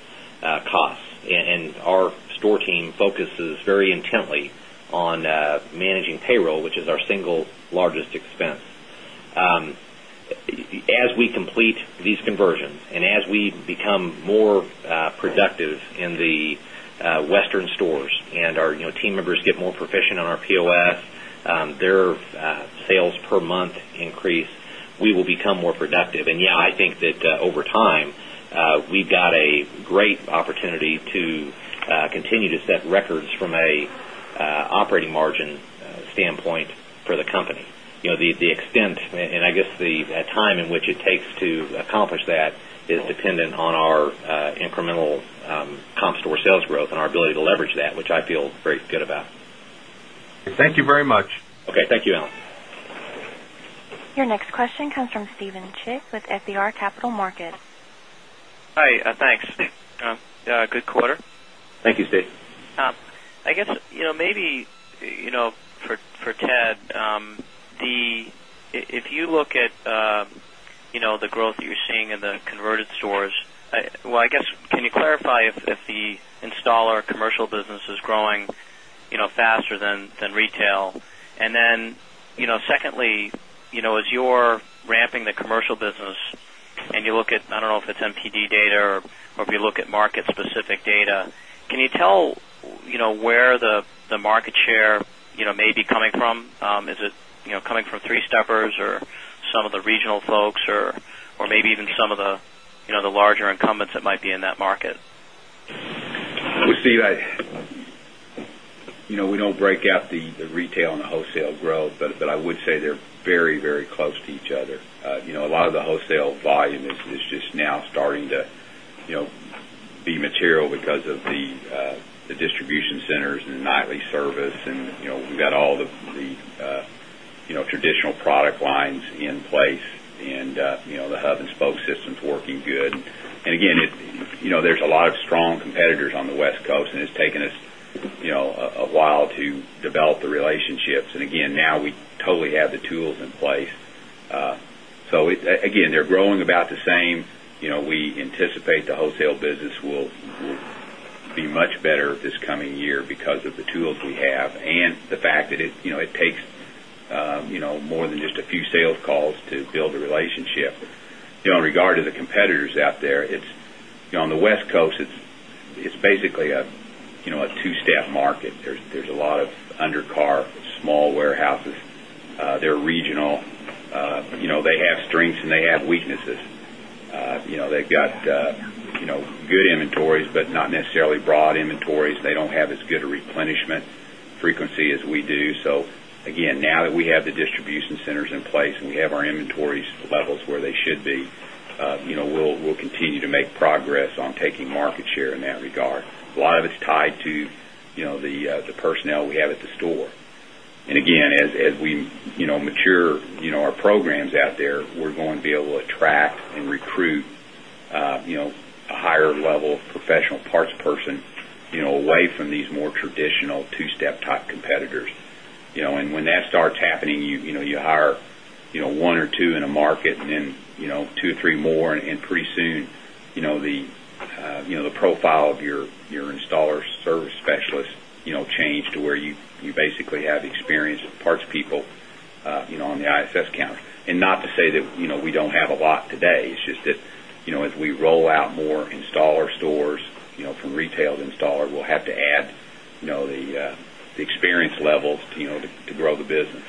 costs and our store team focuses very intently on managing payroll, which is our single largest expense. As we complete these expense. As we complete these conversions and as we become more productive in the Western stores and our team members get more proficient on our POS, their sales per month increase, we will become more productive. And yes, I think that over time, we've got a great opportunity to continue to set records from an operating margin standpoint for the company. The extent and I guess the time in which it takes to accomplish that is dependent on our incremental comp store sales growth and our ability to leverage that, which I feel very good about. Thank you very much. Okay. Thank you, Alan. Your next question comes from Steven Chik with FBR Capital Markets. Hi, thanks. Good quarter. Thank you, Steve. I installer commercial business is growing faster than retail? And then secondly, as you're ramping the commercial business and you look at, I don't know if it's MPD data or if you look at market specific data, can you tell where the market share, can you tell where the market share may be coming from? Is it coming from 3 steppers or some of the regional folks or maybe even some of the larger incumbents that might be in that market? Well, Steve, we don't break out the retail and the wholesale growth, but I would say they're very, very close to each other. A lot of the wholesale volume is just now starting to be material because of the distribution centers and the nightly service and we've got all the traditional product lines in place and the hub and spoke systems working good. And again, there's a lot of strong competitors on the West Coast and it's taken us a while to develop the relationships. And again, now we totally have the tools in place. So again, they're growing about the same. We anticipate the wholesale business will be much better this coming year because of the tools we have and the fact that it takes more than just a few sales calls to build a relationship. In regard to the competitors out there, it's on the West Coast, it's basically a 2 step market. There's a lot of undercar small warehouses. They're regional. They have strengths and they have weaknesses. They've got good inventories, but not necessarily broad inventories. They don't have as good a replenishment frequency as we do. So again, now that we have the distribution centers in place and we have our inventories levels where they should be, we'll continue to make progress on taking market share in that regard. A lot of it's tied to the personnel we have at the store. And again, as we mature our programs out there, we're going be able to attract and recruit a higher level professional parts person away from these more traditional 2 step top competitors. And when that starts happening, you hire 1 or 2 in a market and then 2 or 3 more and pretty soon the profile of your installers service specialists change to where you basically have experience with parts people on the ISS counter. And not to say that we don't have a lot today. It's just that as we roll out more installer stores from retail installer, we'll have to add the experience levels to grow the business.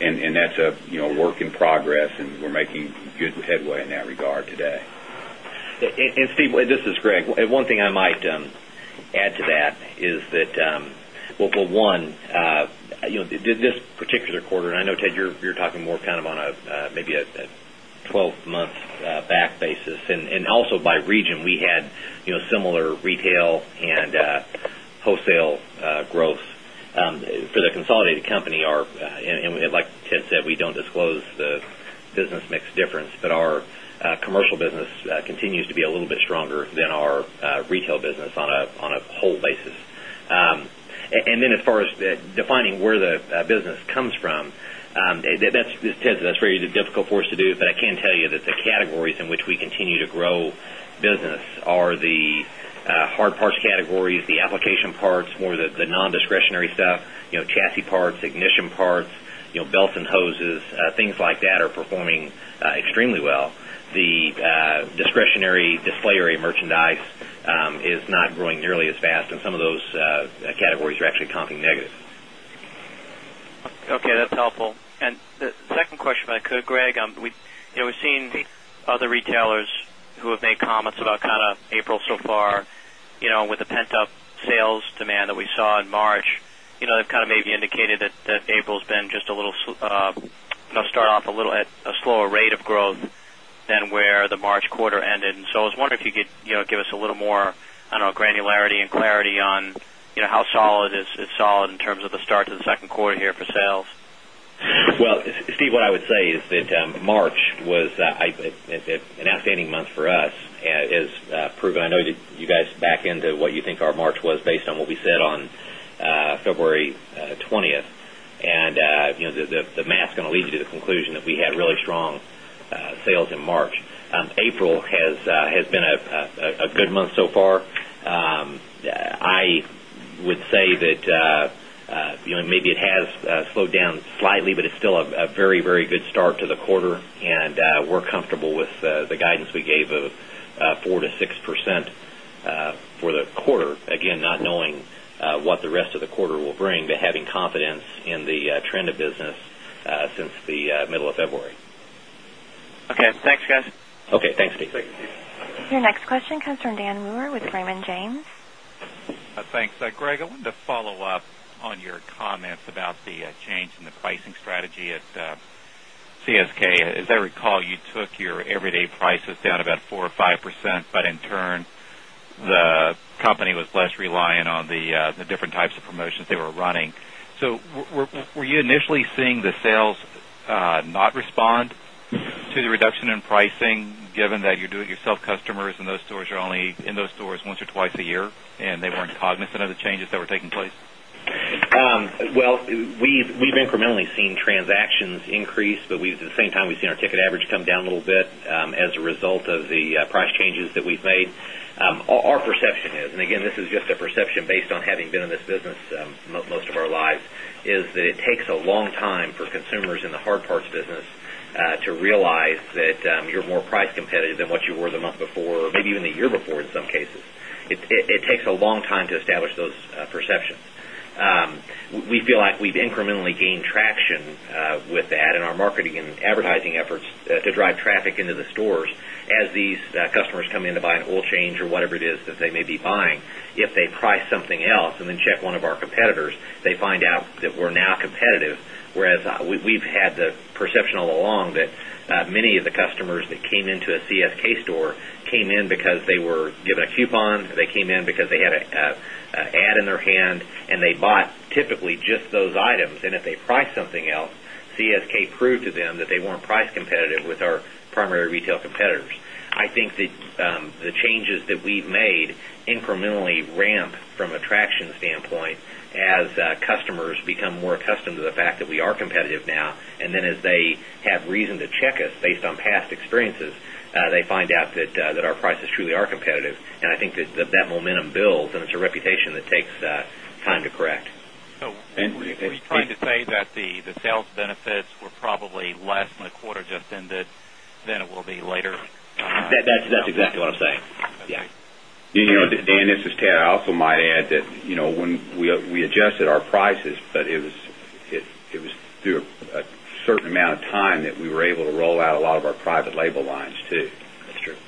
And that's a work in progress and we're making good headway in that regard today. And Steve, this is Greg. One thing I might add to that is that, well, one, this particular quarter, and I know Ted you're talking more kind of on a maybe a 12 month back basis. And also by region, we had similar retail and wholesale growth. For the consolidated company, our and like Ted said, we don't disclose the business mix difference, but our commercial business continues to be a little bit stronger than our retail business on a whole basis. And then as far as defining where the business comes from, that's Ted, that's really difficult for us to do, but I can tell you that the categories in which we continue to grow business are the hard parts categories, the application parts, more of the nondiscretionary stuff, chassis parts, ignition parts, belts and hoses, things like that are performing extremely well. The discretionary display area merchandise is not growing nearly as fast and some of those categories are actually comping negative. Okay. That's helpful. And the second question, if I could, Greg, we've seen other retailers who have made comments about kind of April so far with the pent up sales demand that we saw in March, they've kind of maybe indicated that April has been just a little start off a little at a slower rate of growth than where the March quarter ended. And so wonder if you could give us a little more granularity and clarity on how solid is it solid in terms of the start to the Q2 here for sales? Well, Steve, what I would say is that March was an outstanding month for us as proven. I know you guys back into what you think our March was based on what we said on February 20. And the math is going to lead you to the conclusion that we had really strong sales in March. April has been a good month so far. I would say that maybe it has slowed down slightly, but it's still a very, very good start to the quarter and we're comfortable with the guidance we gave of 4% to 6% for the the guidance we gave of 4% to 6% for the quarter, again, not knowing what the rest of the quarter will bring, but having confidence in the trend of business since the middle of February. Okay. Thanks, guys. Okay. Thanks, Steve. Okay. Thanks guys. Okay. Thanks, Steve. Your next question comes from Dan Moore with Raymond James. Thanks. Greg, I wanted to follow-up on your comments about the change in the pricing strategy at CSK. As I recall, you took your everyday prices down about 4% or 5%, but in turn, the company was less reliant on the different types of promotions they were running. So were you initially seeing the sales not respond to the reduction in pricing given that you do it yourself customers and those stores are only in those stores once or twice a year and they weren't cognizant of the changes that were taking place? Well, we've incrementally seen transactions increase, but we've at the same time we've seen our ticket average come down a little bit as a result of the price changes that we've made. Our perception is and again this is just a perception based on having been in this business most of our lives is that it takes a long time for consumers in the hard parts business to realize that you're more price competitive than what you were the month before or maybe even the year before in some cases. It takes a long time to establish those perceptions. We feel like we've incrementally gained traction with that in our marketing and advertising efforts to drive traffic into the stores as these customers come in to buy an oil change or whatever it is that they may be buying. If they price something else and then check one of our competitors, they find out that we're now competitive whereas we've had the perception all along that many of the customers that came into a CSK store came in because they were given a coupon, they came in because they had an ad in their hand and they bought typically just those items and if they price something else, CSK proved to them that they weren't price competitive with our primary retail competitors. I think that the changes that we've made incrementally ramp from a traction standpoint as customers become more accustomed to the fact that we are competitive now. And then as they have reason to check us based on past experiences, they find out that our prices truly are competitive. And I think that that momentum builds and it's a reputation that takes time to correct. And were you trying to say that the sales benefits were probably less than the quarter just ended than it will be later? That's exactly what I'm saying. Dan, this is Ted. I also might add that when we adjusted our prices, but it was through a certain amount of time that we were able to roll out a lot of our private label lines too.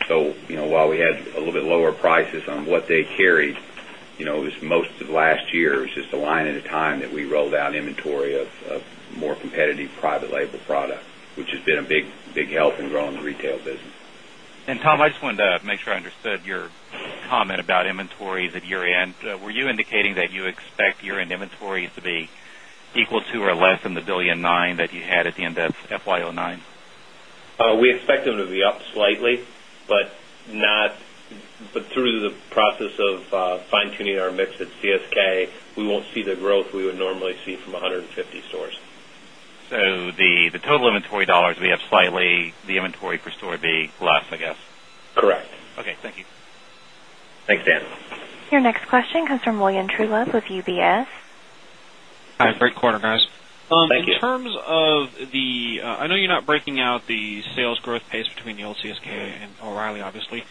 So while we had a little bit lower prices on what they carried, it was most of last year, it was just a line at a time that we rolled out inventory of more competitive private label product, which has been a big help in growing the retail business. And Tom, I just wanted to make sure I understood your comment about inventories at year end. Were you indicating that you expect year end inventories to be equal to or less than the 1,900,000,000 dollars that you had at the end of FY 'nine? We expect them to be up slightly, but not but through the process of fine tuning our mix at CSK, we won't see the growth we would normally see from 150 stores. So the total inventory dollars we have slightly the inventory per store B less, I guess? Correct. Okay. Thank you. Thanks, Dan. Your next question comes from William Treulis with UBS. Hi. Great quarter, guys. In terms of the I know you're not breaking out the sales growth pace between the old CSK and O'Reilly obviously,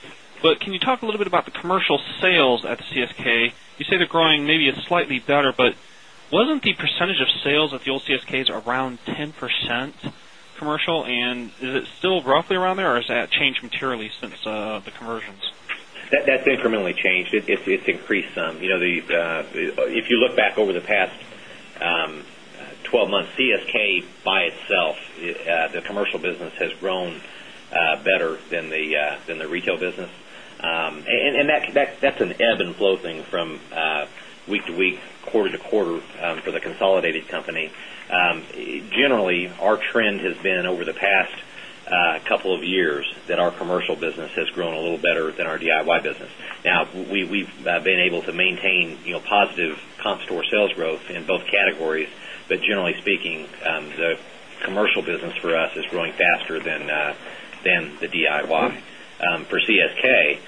but can you talk a little bit about the commercial sales at the CSK? You say they're growing maybe a slightly better, but wasn't the percentage of sales of the old CSKs around 10% commercial? And is it still roughly around there or has that changed materially since the conversions? That's incrementally changed. It's increased some. If you look back over the past 12 months, CSK by itself, the commercial business has grown better than the retail business. And that's an ebb and flow thing from week to week, quarter to quarter for the consolidated company. Generally, our trend has been over the past couple of years that our commercial business has grown a little better than our DIY business. Now we've been able to maintain positive comp store sales growth in both categories, but generally speaking, the commercial business for us is growing faster than the DIY. For CSK,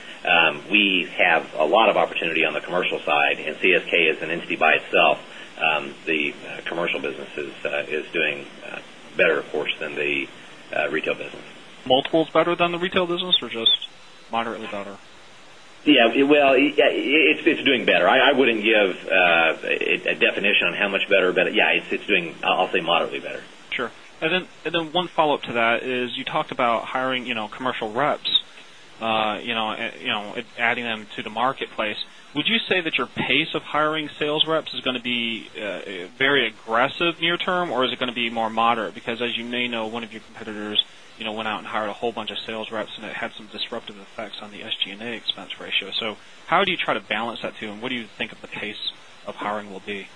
we have a lot of opportunity on the commercial side and CSK is an entity by itself. The commercial business is doing better of course than the retail business. Multiples better than the retail business or just moderately better? Yes. Well, it's doing better. I wouldn't give a definition on how much better, but yes, it's I'll say moderately better. Sure. And then one follow-up to that is you talked about hiring commercial reps, adding them to the marketplace. Would you say that your pace of hiring sales reps is going to be very aggressive near term or is it going to be more moderate? Because as you may know, one of your competitors went out and hired a whole bunch of sales reps and it had some disruptive effects on the SG and A expense ratio. So how do you try to balance that too? And what do you think of the pace of hiring will be?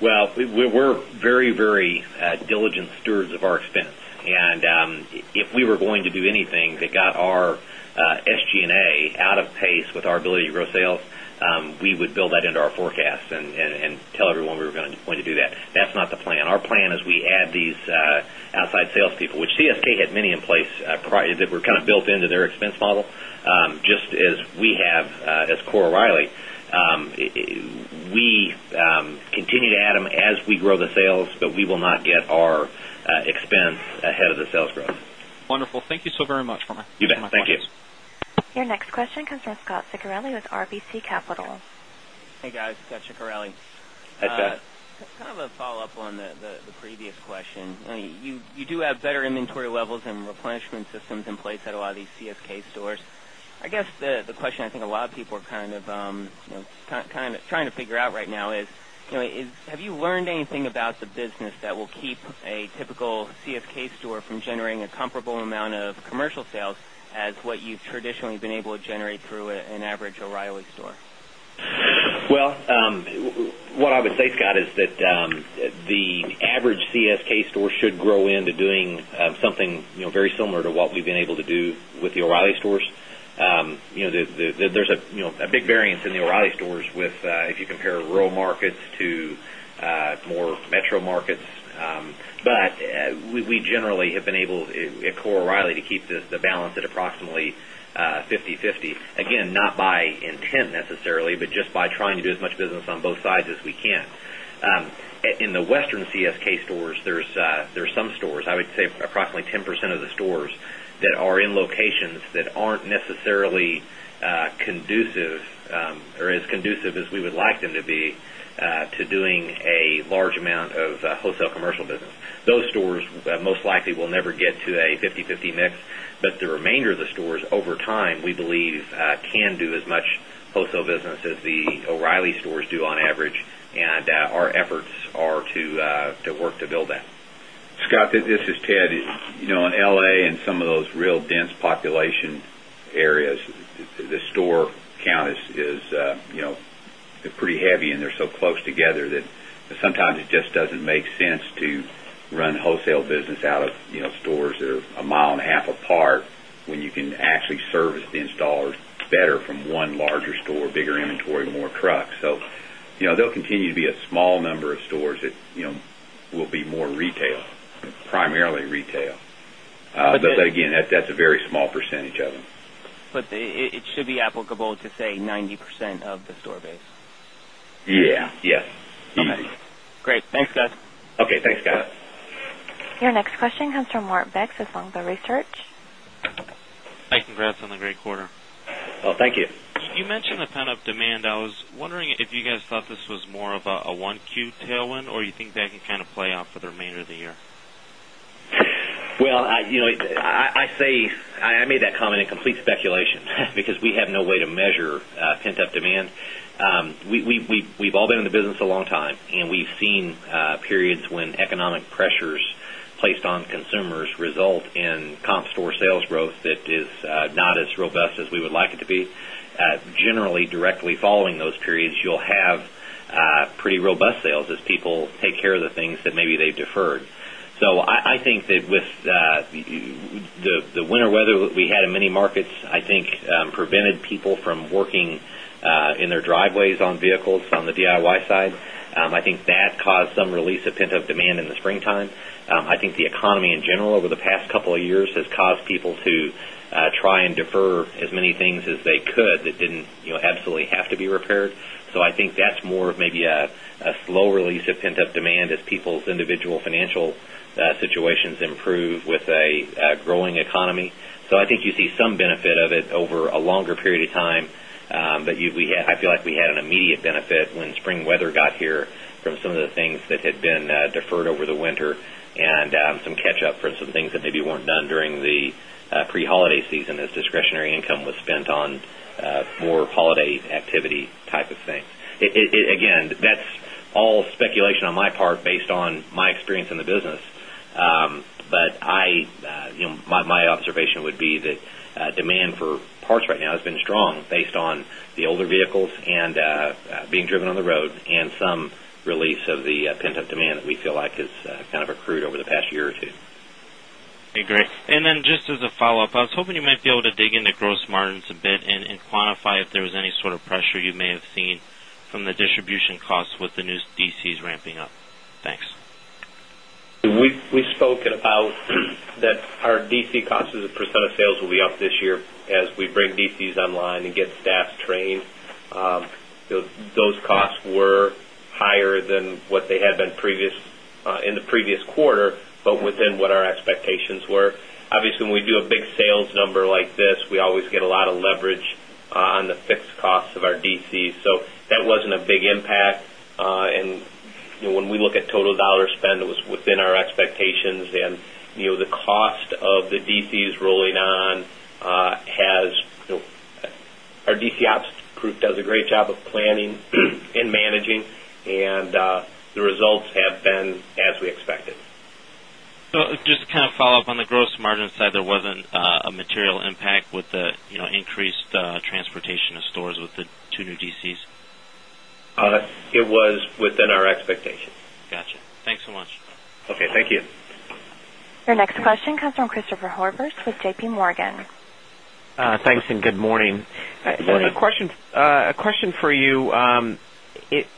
Well, we're very, very diligent stewards of our expense. And if we were going to do anything that got our SG and A out of pace with our ability to grow sales, we would build that into our forecast and tell everyone we're going to do that. That's not the plan. Our plan is we add these outside sales people, which CSK had many in place that were kind of built into their expense model, just as we have as CorO'Reilly. We continue to add them as we grow the sales, but we will not get our We continue to add them as we grow the sales, but we will not get our expense ahead of the sales growth. Wonderful. Thank you so very much for my question. You bet. Thank you. Your next question comes from Scot Ciccarelli with RBC Capital. Hey, guys. Scot Ciccarelli. Hi, Scot. Kind of a follow-up on the previous question. You do have better inventory levels and replenishment systems in place at a lot of these CSK stores. I guess the question I think a lot of people are kind of trying to figure out right now is have you learned anything about the business that will keep a typical CSK store from generating a comparable amount of commercial sales as what you've traditionally been able to generate through an average O'Reilly store? Well, what I would say, Scott, is that the average CSK store should grow into doing something very similar to what we've been able to do with the O'Reilly stores. There's a big variance in the O'Reilly stores with if you compare rural markets to more metro markets. But we generally have been able at core O'Reilly to keep the balance at approximately fifty-fifty. Again, not by intent necessarily, but just by trying to do as much business on both sides as we can. In the Western CSK stores, there's some stores, I would say approximately 10% of the stores that are in locations that aren't necessarily conducive or as conducive as we would like them to be to doing a large amount of wholesale commercial business. Those stores most likely will never get to a fifty-fifty mix, but the remainder of the stores over time, we believe do as much wholesale business as the O'Reilly stores do on average and our efforts are to work to build that. Scott, this is Ted. On L. A. And some of those real dense population areas, the store count is pretty heavy and they're so close together that sometimes it just doesn't make sense to run wholesale business out of stores that are 1.5 mile apart when you can actually service the installers better from 1 larger store, bigger inventory, more trucks. So there will continue to be a small number of stores that will be more retail, primarily retail. But again, that's a very small percentage of them. But it should be applicable to say 90% of the store base? Yes. Your next question comes from Mark Becht with Longbow Research. Hi. Congrats on the great quarter. Well, thank you. You mentioned the pent up demand. I was wondering if you guys thought this was more of a 1Q tailwind or you think can kind of play out for the remainder of the year? Well, I say I made that comment in complete speculation because we have no way to measure pent up demand. We've all been in the business a long time and we've seen periods when economic pressures placed on consumers result in comp store sales growth that is not as robust as we would like it to be. Generally, directly following those periods, you'll have pretty robust sales as people take care of the things that maybe they've deferred. So I think that with the winter weather that we had in many markets, I think, prevented people from working in their driveways on vehicles on the DIY side. I think that caused some release of pent up demand in the springtime. I think the economy in general over the past couple of years has caused people to try and defer as many things as they could that didn't absolutely have to be repaired. So I think that's more of maybe a slow release of pent up demand as people's individual financial situations improve with a growing economy. So I think you see some benefit of it over a longer period of time, but I feel like we had an immediate benefit when spring weather got here from some of the things that had been deferred over the winter and some catch up for some things that maybe weren't done during the pre holiday season as discretionary income was spent on more holiday activity type of things. Again, that's all speculation on my part based on my experience in the business. But I my observation would be that my observation would be that demand for parts right now has been strong based on the older vehicles and being driven on the road and some release of the pent up demand that we feel like has kind of accrued over the past year or 2. Okay, great. Then just as a follow-up, I was hoping you might be able to dig into gross margins a bit and quantify if there was any sort of pressure you may have seen from the distribution costs with the new DCs ramping up? Thanks. We've spoken about that our DC costs as a percent of sales will be up this year as we bring DCs online and get staff trained. Those costs were higher than what they had been previous in the previous quarter, but within what our expectations were. Obviously, when we do a big sales number like this, we always get a lot of leverage on the fixed costs of our DCs. So that wasn't a big impact. And when we look at total dollar spend, it was within our expectations. And the cost of the DCs rolling on, DC ops group does a great job of planning and managing, and the results have been as we expected. So just kind of follow-up on the gross margin side, there wasn't a material impact with the increased transportation of stores with the 2 new DCs? It was within our expectations. Got you. Thanks so much. Okay. Thank you. Your next question comes from Christopher Horvers with JPMorgan. Thanks and good morning. Good morning. A question for you.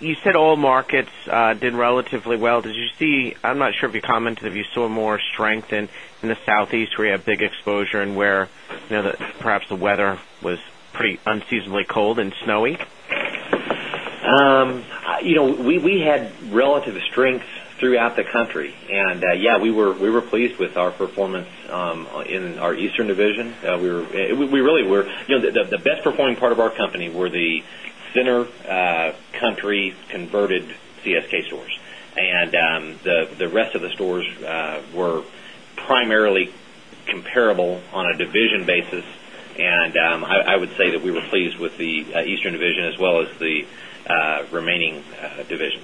You said all markets did relatively well. Did you see I'm not sure if you commented if you saw more strength in the Southeast where you have big exposure and where perhaps the weather was pretty unseasonably cold and snowy? We had relative strength throughout the country. And yes, we were pleased with our performance in our Eastern division. We really were the best performing part of our company were the center country converted CSK stores. And the rest of the stores were primarily comparable on a division basis. And I would say that we were pleased with the Eastern division as well as the remaining division.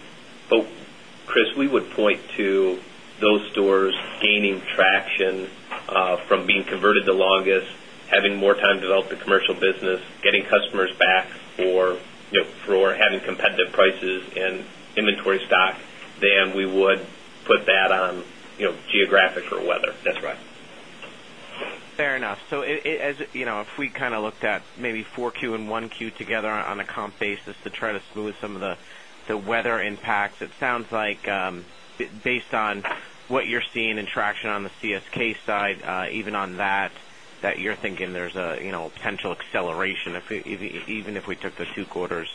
Chris, we would point to those stores gaining traction from being converted the longest, having more time to develop the commercial business, getting customers back for having competitive prices in inventory stock than we would inventory stock, then we would put that on geographic or weather. That's right. Fair enough. So as if we kind of looked at maybe 4Q and 1Q together on a comp basis to try to smooth some of the weather impacts, it sounds like based on what you're seeing in traction on the CSK side, even on that, that you're thinking there's a potential acceleration even if we took the 2 quarters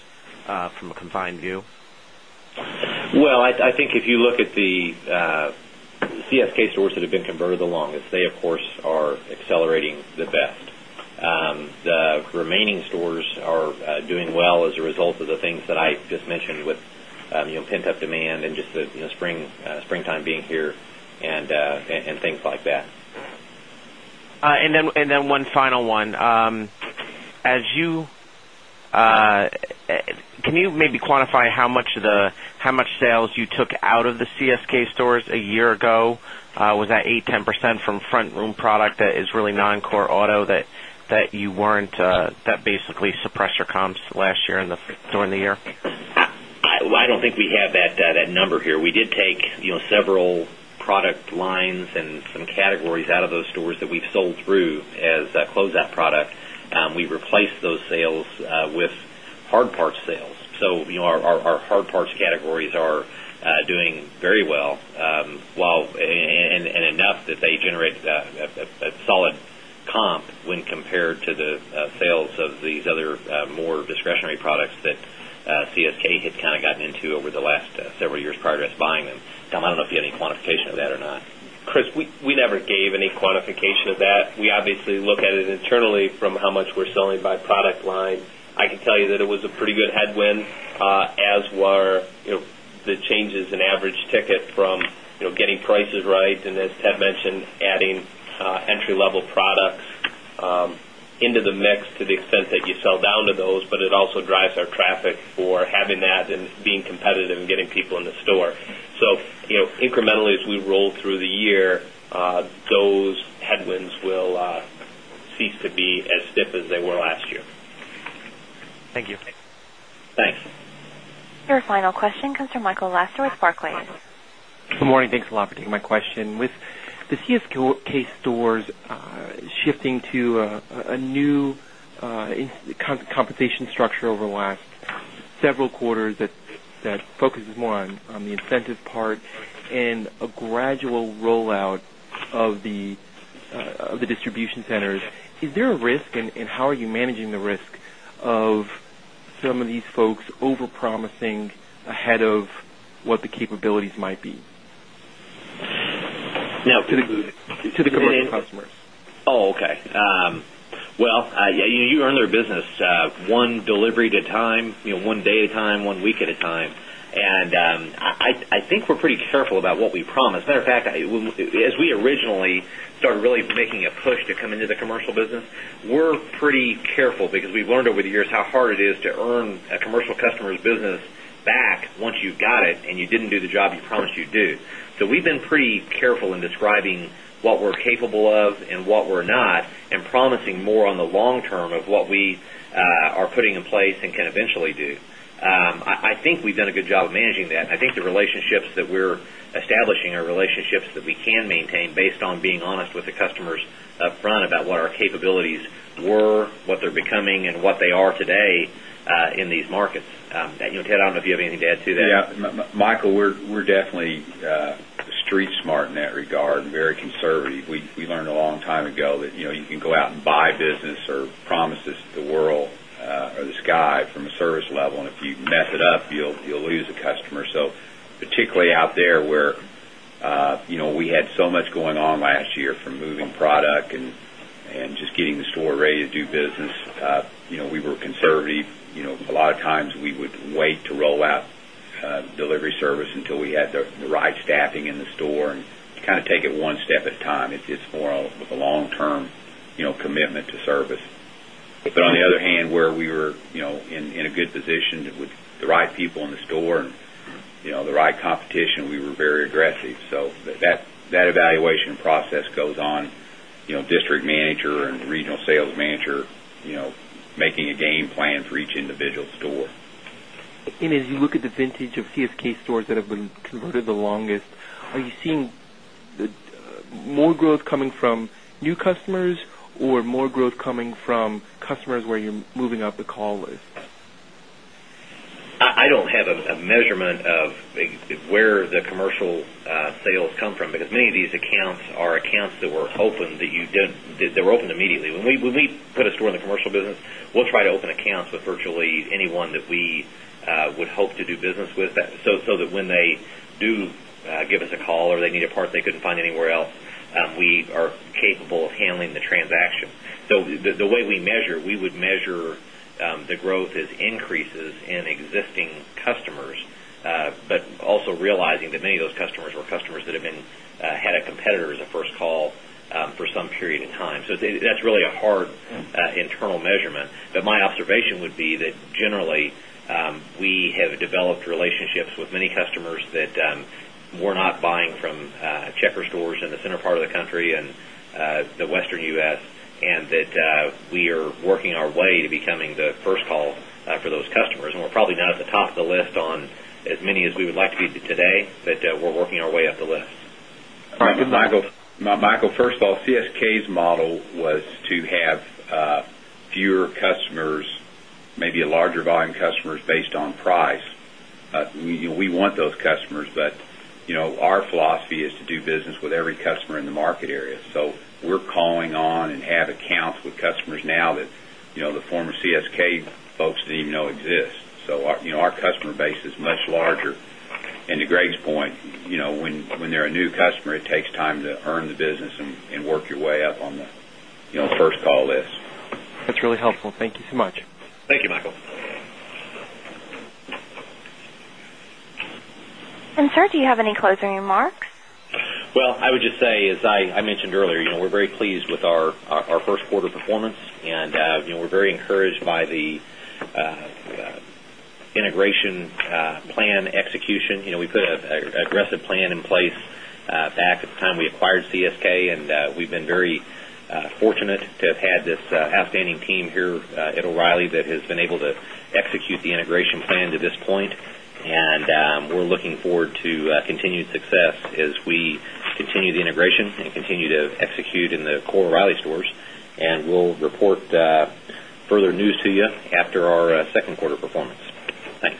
from a combined view? Well, I think if you look at the CSK stores that have been converted the longest, they, of course, are accelerating the best. The remaining stores are doing well as a result of the things that I just mentioned with pent up demand and just the springtime being here and things like that. And then one final one. Can you maybe quantify how much sales you took out of the CSK stores a year ago? Was that 8%, 10% from front room product that is really non core auto that you weren't that basically suppressed your comps last year during the year? Well, I don't think we have that number here. We did take several product lines and some categories out of those stores that we've sold through as close that product. We replaced those sales with hard part sales. So, replaced those sales with hard parts sales. So our hard parts categories are doing very well, while and enough that they generate a solid comp when compared to the sales of these other more discretionary products that CSK has kind of gotten into over the last several years prior to us buying them. Tom, I don't know if you had any quantification of that or not. Chris, we never gave any quantification of that. We obviously look at it internally from how much we're selling by product line. I can tell you that it was a pretty good headwind as were the changes in average ticket from getting prices right. And as Ted mentioned, adding entry level products into the mix to the extent that you sell down to those, but it also drives our traffic for having that and being competitive and getting people in the store. So incrementally, as we roll through the year, those headwinds will cease to be as stiff as they were last year. Thank you. Thanks. Your final question comes from Michael Lasser with Barclays. Good morning. Thanks a lot for taking my question. With the CS K stores shifting to a new compensation structure over the last several quarters that focuses more on the incentive part and a gradual rollout of the distribution centers. Is there a risk and how are you managing the risk of some of these folks over promising ahead of what the capabilities might be? Now to commercial customers? Okay. Well, you earn their business one delivery at a time, one day at a time, one week at a time. And I think we're pretty careful about what we promised. As a matter of fact, as we originally started really making a push to come into the commercial business, we're pretty careful because we've learned over the years how hard it is to earn a commercial customer's business back once you've got it and you didn't do the job you promised you'd do. So we've been pretty careful in describing what we're capable of and what we're not and promising more. In describing what we're capable of and what we're not and promising more on the long term of what we are putting in place and can eventually do. I think we've done a good job of managing that. I think the relationships that we're establishing are relationships that we can maintain based on being honest with the customers upfront about what our capabilities were, what they're becoming and what they are today in these markets. Ted, I don't know if you have anything to add to that. Yes. Michael, we're definitely street smart in that regard and very conservative. We learned a long time ago that you can go out and buy business or promises to the world or the sky from a service level. And if you mess it up, you'll lose lose a customer. So particularly out there where we had so much going on last year from moving product and just getting the store ready to do business, we were conservative. A lot of times we would wait to roll out delivery service until we had the right staffing in the store and kind of take it one step at a time. It's more of a long term commitment to service. But on the other hand, where we were in a good position with the right people in the store and the right competition, we were very aggressive. So that evaluation process goes on. District from new customers or more growth coming from customers where you're moving up the call list? I don't have a measurement of where the commercial sales come from because many of these accounts are accounts that we're hoping that you did they were opened immediately. When we put a store in the commercial business, we'll try to open accounts with virtually anyone that we would hope to do business with, so that when they do give us a call or they need a part they couldn't find anywhere else, we are capable of handling the transaction. So the way we measure, we would measure the growth as increases in existing customers, but also realizing that many of those customers were customers that have been had a competitor as a first call for some period in time. So that's really a hard internal measurement. But my observation would be that generally, we have developed relationships with many customers that we're not buying from checker stores in the center part of the country and the Western U. S. And that we are working our way to becoming the first call for those customers. And we're probably not at the top of the list on as many as we would like to be today, but we're working our way up the list. Michael, first of all, CSK's model was to have fewer customers, maybe a larger volume customers based on price. We want those customers, but our philosophy is to do business with every customer in the market area. So we're calling on and have accounts with customers now that the former CSK folks didn't know exist. So our customer base is much larger. And to Greg's point, when they're a new customer, it takes time to earn the business and work your way up on the first call list. That's really helpful. Thank you so much. Thank you, Michael. And sir, do you have any closing remarks? Well, I would just say, as I mentioned earlier, we're very pleased with our first quarter performance, and we're very encouraged by the team here at O'Reilly that has been able to execute the integration plan to this point. And we're looking forward to continued success as we continue the integration and continue to execute in the core O'Reilly stores. And we'll report further news to you after our 2nd quarter performance. Thanks.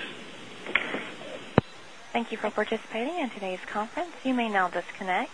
Thank you for participating in today's conference. You may now disconnect.